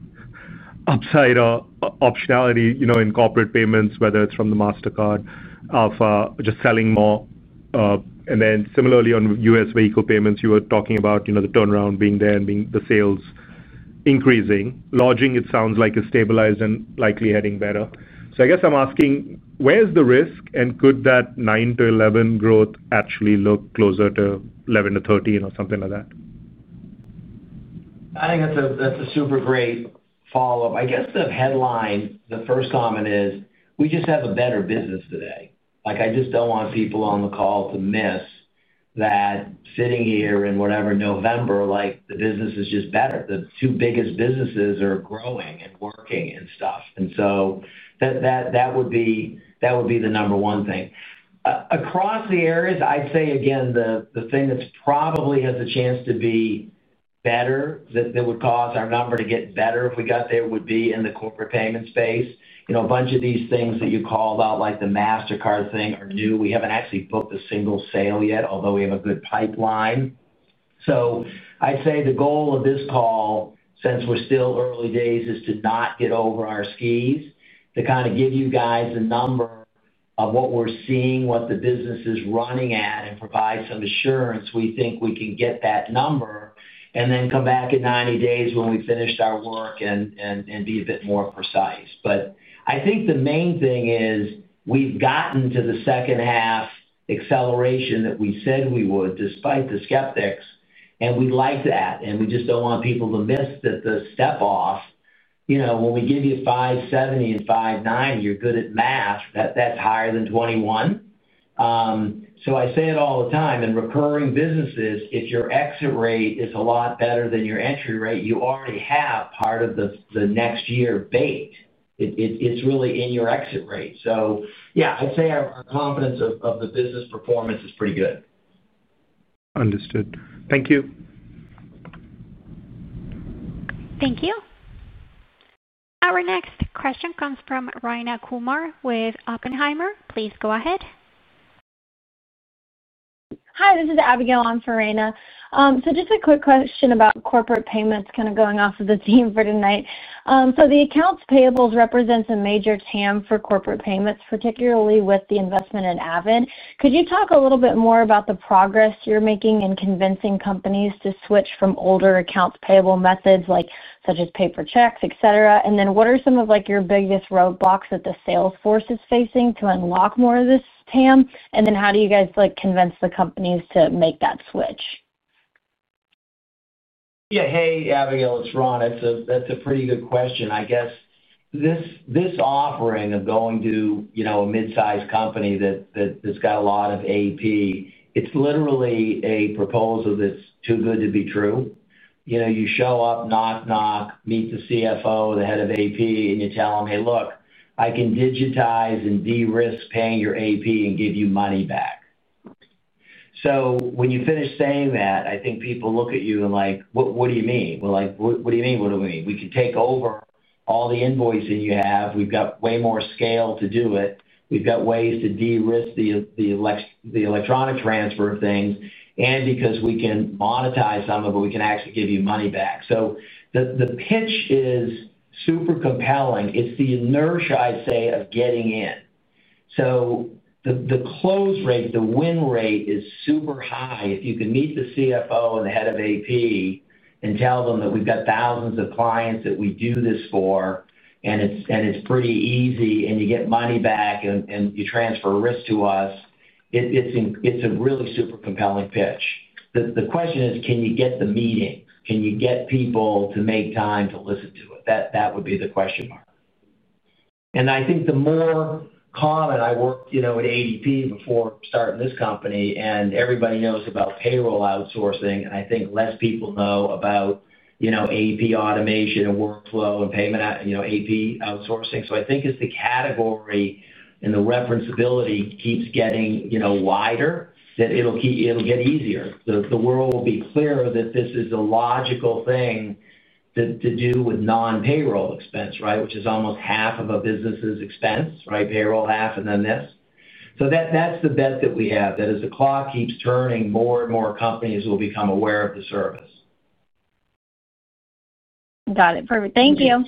upside optionality in corporate payments, whether it's from the Mastercard of just selling more. Then similarly, on U.S. vehicle payments, you were talking about the turnaround being there and the sales increasing. Lodging, it sounds like, is stabilized and likely heading better. I guess I'm asking, where's the risk, and could that 9-11% growth actually look closer to 11-13% or something like that? I think that's a super great follow-up. I guess the headline, the first comment is, "We just have a better business today." I just don't want people on the call to miss that sitting here in whatever November, the business is just better. The two biggest businesses are growing and working and stuff. That would be the number one thing. Across the areas, I'd say, again, the thing that probably has a chance to be better that would cause our number to get better if we got there would be in the corporate payment space. A bunch of these things that you called out, like the Mastercard thing, are new. We haven't actually booked a single sale yet, although we have a good pipeline. I'd say the goal of this call, since we're still early days, is to not get over our skis, to kind of give you guys a number of what we're seeing, what the business is running at, and provide some assurance we think we can get that number, and then come back in 90 days when we finished our work and be a bit more precise. But I think the main thing is we've gotten to the second-half acceleration that we said we would, despite the skeptics, and we like that. We just don't want people to miss that the step-off. When we give you $5.70 and $5.90, you're good at math. That's higher than $21. I say it all the time. In recurring businesses, if your exit rate is a lot better than your entry rate, you already have part of the next year baked. It's really in your exit rate. So yeah, I'd say our confidence of the business performance is pretty good. Understood. Thank you. Thank you. Our next question comes from Raina Kumar with Oppenheimer. Please go ahead. Hi, this is Abigail on for Raina. Just a quick question about corporate payments kind of going off of the theme for tonight. The accounts payables represents a major TAM for corporate payments, particularly with the investment in Avid. Could you talk a little bit more about the progress you're making in convincing companies to switch from older accounts payable methods such as paper checks, et cetera? What are some of your biggest roadblocks that the sales force is facing to unlock more of this TAM? How do you guys convince the companies to make that switch? Yeah. Hey, Abigail, it's Ron. That's a pretty good question, I guess. This offering of going to a mid-sized company that's got a lot of AP, it's literally a proposal that's too good to be true. You show up, knock, knock, meet the CFO, the head of AP, and you tell them, "Hey, look, I can digitize and de-risk paying your AP and give you money back." When you finish saying that, I think people look at you and are like, "What do you mean? What do you mean? What do we mean? We can take over all the invoicing you have. We've got way more scale to do it. We've got ways to de-risk the electronic transfer of things. And because we can monetize some of it, we can actually give you money back." The pitch is super compelling. It's the inertia, I'd say, of getting in. The close rate, the win rate is super high. If you can meet the CFO and the head of AP and tell them that we've got thousands of clients that we do this for, and it's pretty easy, and you get money back, and you transfer risk to us. It's a really super compelling pitch. The question is, can you get the meeting? Can you get people to make time to listen to it? That would be the question mark. I think the more common, I worked at ADP before starting this company, and everybody knows about payroll outsourcing, and I think less people know about AP automation and workflow and payment AP outsourcing. I think as the category and the referenceability keeps getting wider, it'll get easier. The world will be clearer that this is a logical thing to do with non-payroll expense, right, which is almost half of a business's expense, right? Payroll half and then this. So that's the bet that we have. That as the clock keeps turning, more and more companies will become aware of the service. Got it. Perfect. Thank you.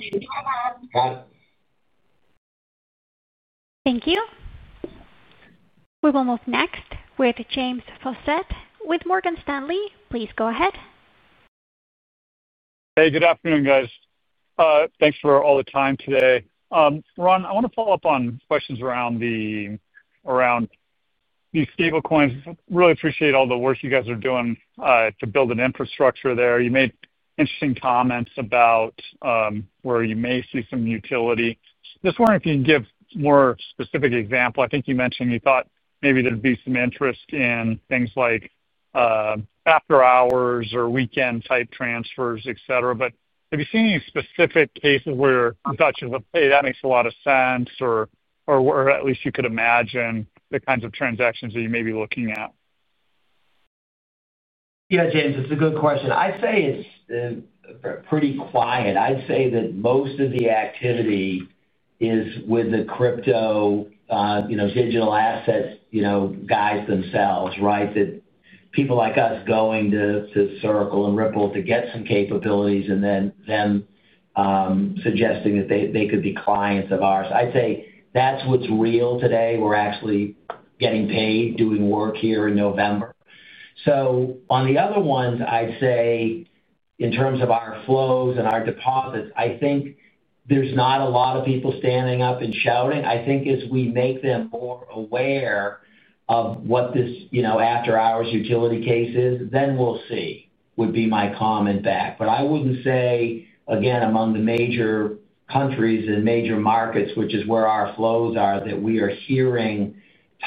Thank you. We will move next with James Fossett with Morgan Stanley. Please go ahead. Hey, good afternoon, guys. Thanks for all the time today. Ron, I want to follow up on questions around these stablecoins. Really appreciate all the work you guys are doing to build an infrastructure there. You made interesting comments about where you may see some utility. Just wondering if you can give more specific examples. I think you mentioned you thought maybe there'd be some interest in things like after-hours or weekend-type transfers, et cetera. Have you seen any specific cases where you thought you would say, "Hey, that makes a lot of sense," or at least you could imagine the kinds of transactions that you may be looking at? Yeah, James, that's a good question. I'd say it's pretty quiet. I'd say that most of the activity is with the crypto, digital asset guys themselves, right? People like us going to Circle and Ripple to get some capabilities and then suggesting that they could be clients of ours. I'd say that's what's real today. We're actually getting paid, doing work here in November. On the other ones, I'd say in terms of our flows and our deposits, I think there's not a lot of people standing up and shouting. I think as we make them more aware of what this after-hours utility case is, then we'll see, would be my comment back. I would not say, again, among the major countries and major markets, which is where our flows are, that we are hearing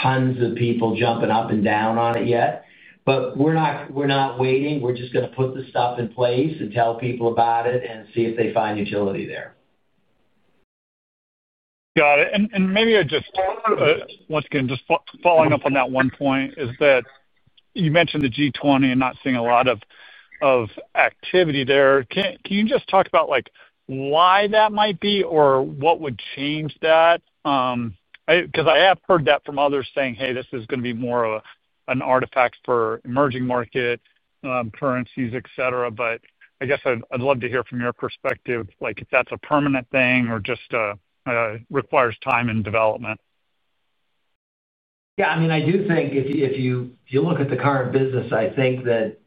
tons of people jumping up and down on it yet. We are not waiting. We are just going to put the stuff in place and tell people about it and see if they find utility there. Got it. Maybe just once again, just following up on that one point, you mentioned the G20 and not seeing a lot of activity there. Can you talk about why that might be or what would change that? I have heard that from others saying, "Hey, this is going to be more of an artifact for emerging market currencies," et cetera. I guess I would love to hear from your perspective if that is a permanent thing or just requires time and development. Yeah. I mean, I do think if you look at the current business, I think that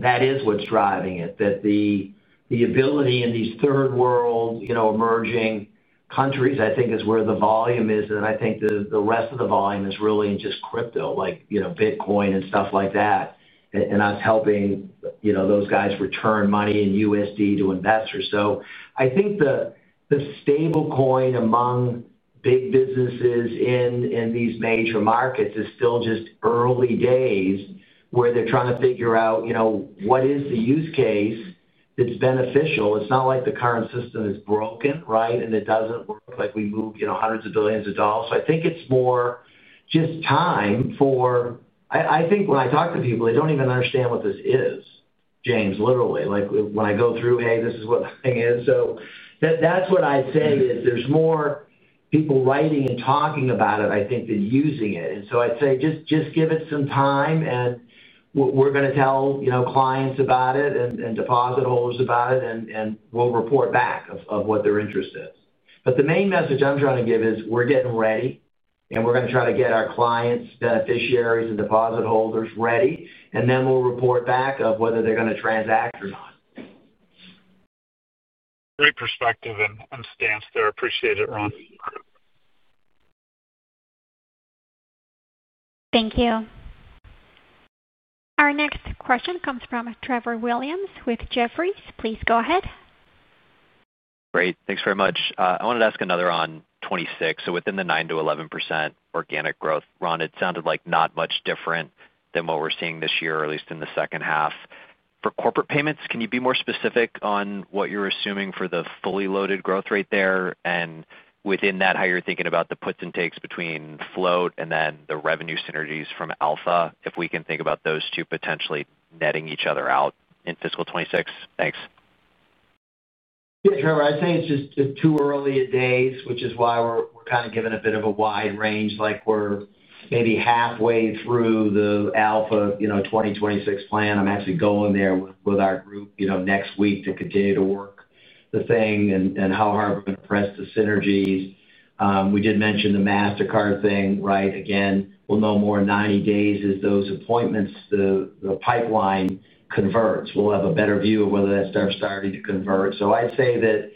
that is what's driving it, that the ability in these third-world emerging countries, I think, is where the volume is. I think the rest of the volume is really in just crypto, like Bitcoin and stuff like that. That's helping those guys return money in USD to investors. I think the stablecoin among big businesses in these major markets is still just early days where they're trying to figure out what is the use case that's beneficial. It's not like the current system is broken, right? It doesn't work like we move hundreds of billions of dollars. I think it's more just time for. I think when I talk to people, they don't even understand what this is, James, literally. When I go through, "Hey, this is what the thing is." That's what I'd say is there's more people writing and talking about it, I think, than using it. I'd say just give it some time, and we're going to tell clients about it and deposit holders about it, and we'll report back of what their interest is. The main message I'm trying to give is we're getting ready, and we're going to try to get our clients, beneficiaries, and deposit holders ready, and then we'll report back of whether they're going to transact or not. Great perspective and stance there. Appreciate it, Ron. Thank you. Our next question comes from Trevor Williams with Jefferies. Please go ahead. Great. Thanks very much. I wanted to ask another on 2026. Within the 9-11% organic growth, Ron, it sounded like not much different than what we are seeing this year, at least in the second half. For corporate payments, can you be more specific on what you are assuming for the fully loaded growth rate there? And within that, how you are thinking about the puts and takes between float and then the revenue synergies from Alpha, if we can think about those two potentially netting each other out in fiscal 2026? Thanks. Yeah, Trevor, I would say it is just too early days, which is why we are kind of giving a bit of a wide range. We are maybe halfway through the Alpha 2026 plan. I am actually going there with our group next week to continue to work the thing and how hard we are going to press the synergies. We did mention the Mastercard thing, right? Again, we'll know more in 90 days as those appointments, the pipeline converts. We'll have a better view of whether that stuff's starting to convert. I'd say that.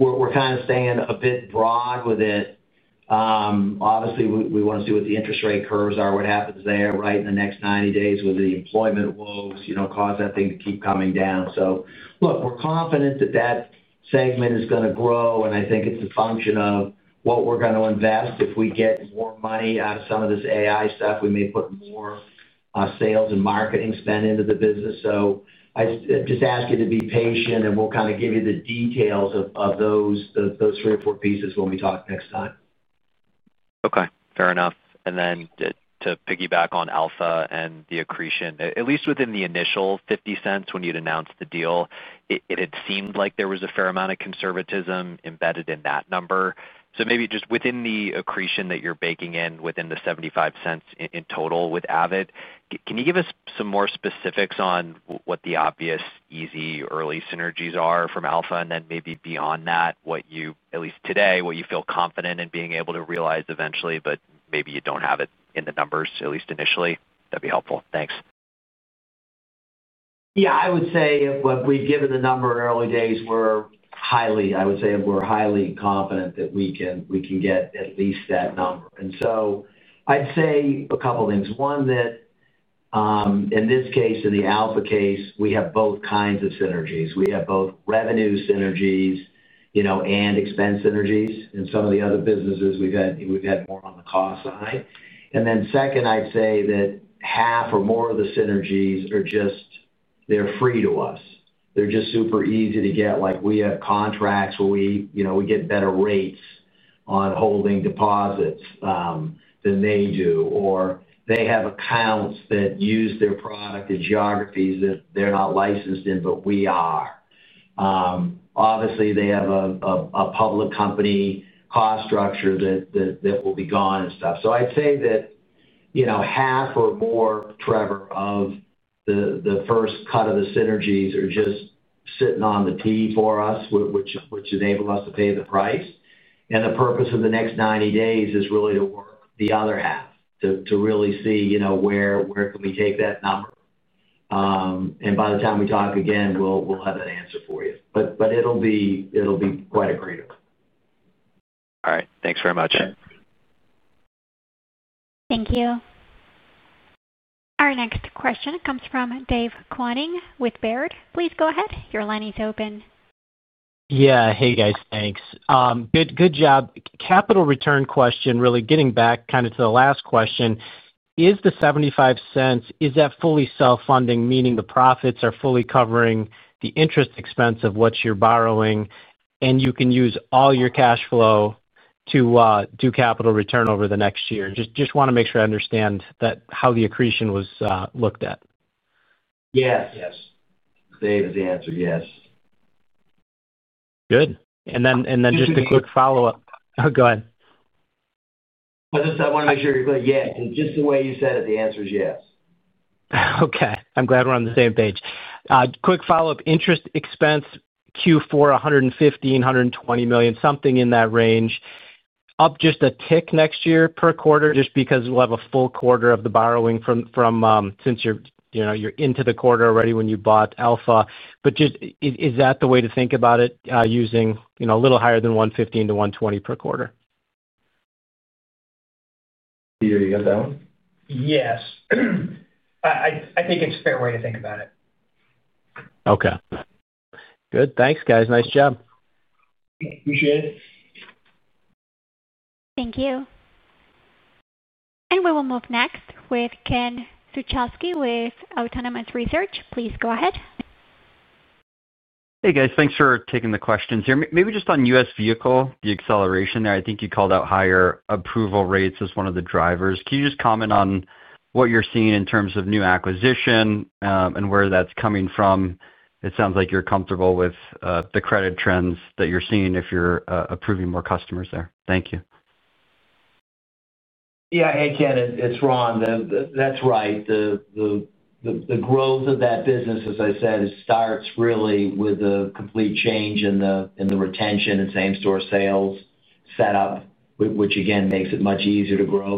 We're kind of staying a bit broad with it. Obviously, we want to see what the interest rate curves are, what happens there in the next 90 days, whether the employment woes cause that thing to keep coming down. Look, we're confident that that segment is going to grow, and I think it's a function of what we're going to invest. If we get more money out of some of this AI stuff, we may put more sales and marketing spend into the business. I just ask you to be patient, and we'll kind of give you the details of those three or four pieces when we talk next time. Okay. Fair enough. To piggyback on Alpha and the accretion, at least within the initial $0.50 when you'd announced the deal, it had seemed like there was a fair amount of conservatism embedded in that number. Maybe just within the accretion that you're baking in within the $0.75 in total with Avid, can you give us some more specifics on what the obvious, easy, early synergies are from Alpha? Maybe beyond that, at least today, what you feel confident in being able to realize eventually, but maybe you don't have it in the numbers, at least initially? That'd be helpful. Thanks. Yeah. I would say if we've given the number in early days, I would say we're highly confident that we can get at least that number. I'd say a couple of things. One, that. In this case, in the Alpha case, we have both kinds of synergies. We have both revenue synergies and expense synergies. In some of the other businesses, we've had more on the cost side. Second, I'd say that half or more of the synergies are just, they're free to us. They're just super easy to get. We have contracts where we get better rates on holding deposits than they do, or they have accounts that use their product in geographies that they're not licensed in, but we are. Obviously, they have a public company cost structure that will be gone and stuff. I'd say that half or more, Trevor, of the first cut of the synergies are just sitting on the tea for us, which enables us to pay the price. The purpose of the next 90 days is really to work the other half, to really see where can we take that number. By the time we talk again, we'll have that answer for you. It'll be quite a greater. All right. Thanks very much. Thank you. Our next question comes from Dave Koning with Baird. Please go ahead. Your line is open. Yeah. Hey, guys. Thanks. Good job. Capital return question, really getting back kind of to the last question. Is the $0.75, is that fully self-funding, meaning the profits are fully covering the interest expense of what you're borrowing, and you can use all your cash flow to do capital return over the next year? Just want to make sure I understand how the accretion was looked at. Yes. Yes. Dave is the answer. Yes. Good. And then just a quick follow-up. Oh, go ahead. I want to make sure you're clear. Yeah. Just the way you said it, the answer is yes. Okay. I'm glad we're on the same page. Quick follow-up. Interest expense Q4, $115 million-$120 million, something in that range. Up just a tick next year per quarter just because we'll have a full quarter of the borrowing since you're into the quarter already when you bought Alpha. Is that the way to think about it, using a little higher than $115 million-$120 million per quarter? Do you get that one? Yes. I think it's a fair way to think about it. Okay. Good. Thanks, guys. Nice job. Appreciate it. Thank you. We will move next with Ken Suchowski with Autonomous Research. Please go ahead. Hey, guys. Thanks for taking the questions here. Maybe just on U.S. vehicle, the acceleration there, I think you called out higher approval rates as one of the drivers. Can you just comment on what you're seeing in terms of new acquisition and where that's coming from? It sounds like you're comfortable with the credit trends that you're seeing if you're approving more customers there. Thank you. Yeah. Hey, Ken, it's Ron. That's right. The growth of that business, as I said, starts really with a complete change in the retention and same-store sales setup, which again makes it much easier to grow.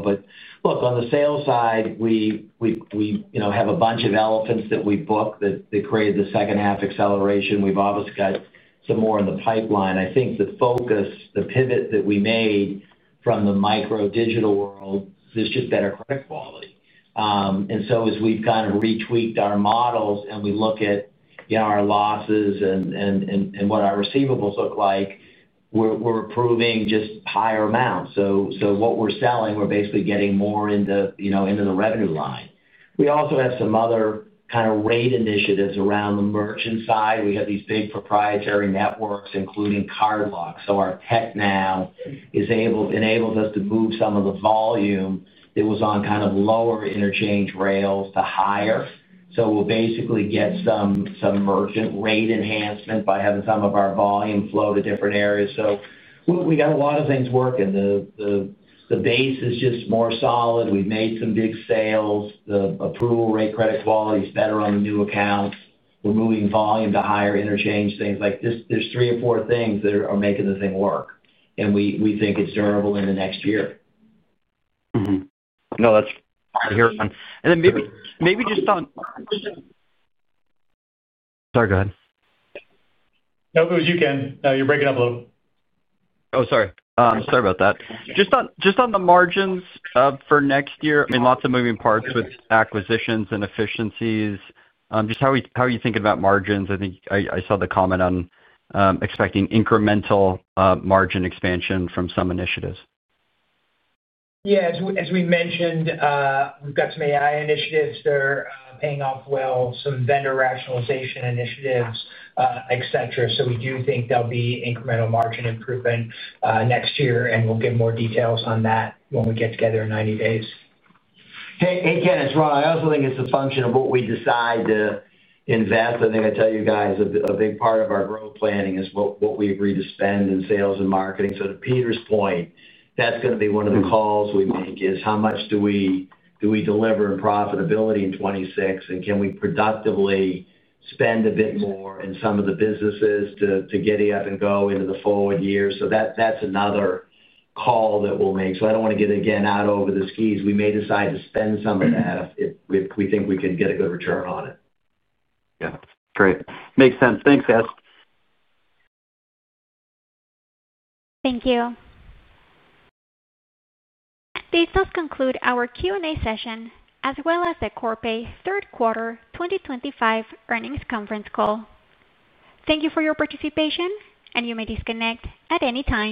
Look, on the sales side, we have a bunch of elephants that we booked that created the second-half acceleration. We've obviously got some more in the pipeline. I think the focus, the pivot that we made from the micro digital world is just better credit quality. As we've kind of retweaked our models and we look at our losses and what our receivables look like, we're approving just higher amounts. What we're selling, we're basically getting more into the revenue line. We also have some other kind of rate initiatives around the merchant side. We have these big proprietary networks, including CardLock. Our tech now enables us to move some of the volume that was on kind of lower interchange rails to higher. We'll basically get some merchant rate enhancement by having some of our volume flow to different areas. We got a lot of things working. The base is just more solid. We've made some big sales. The approval rate, credit quality is better on the new accounts. We're moving volume to higher interchange things. There's three or four things that are making the thing work, and we think it's durable in the next year. No, that's great. And then maybe just on— Sorry, go ahead. No, it was you, Ken. You're breaking up a little. Oh, sorry. Sorry about that. Just on the margins for next year, I mean, lots of moving parts with acquisitions and efficiencies. Just how are you thinking about margins? I think I saw the comment on expecting incremental margin expansion from some initiatives. Yeah. As we mentioned, we've got some AI initiatives that are paying off well, some vendor rationalization initiatives, et cetera. So we do think there'll be incremental margin improvement next year, and we'll get more details on that when we get together in 90 days. Hey, Ken, it's Ron. I also think it's a function of what we decide to invest. I think I tell you guys, a big part of our growth planning is what we agree to spend in sales and marketing. To Peter's point, that's going to be one of the calls we make is how much do we deliver in profitability in 2026, and can we productively spend a bit more in some of the businesses to get it up and go into the forward year? That's another call that we'll make. I don't want to get it again out over the skis. We may decide to spend some of that if we think we can get a good return on it. Yeah. Great. Makes sense. Thanks, guys. Thank you. This does conclude our Q&A session as well as the Corpay Third Quarter 2025 Earnings Conference Call. Thank you for your participation, and you may disconnect at any time.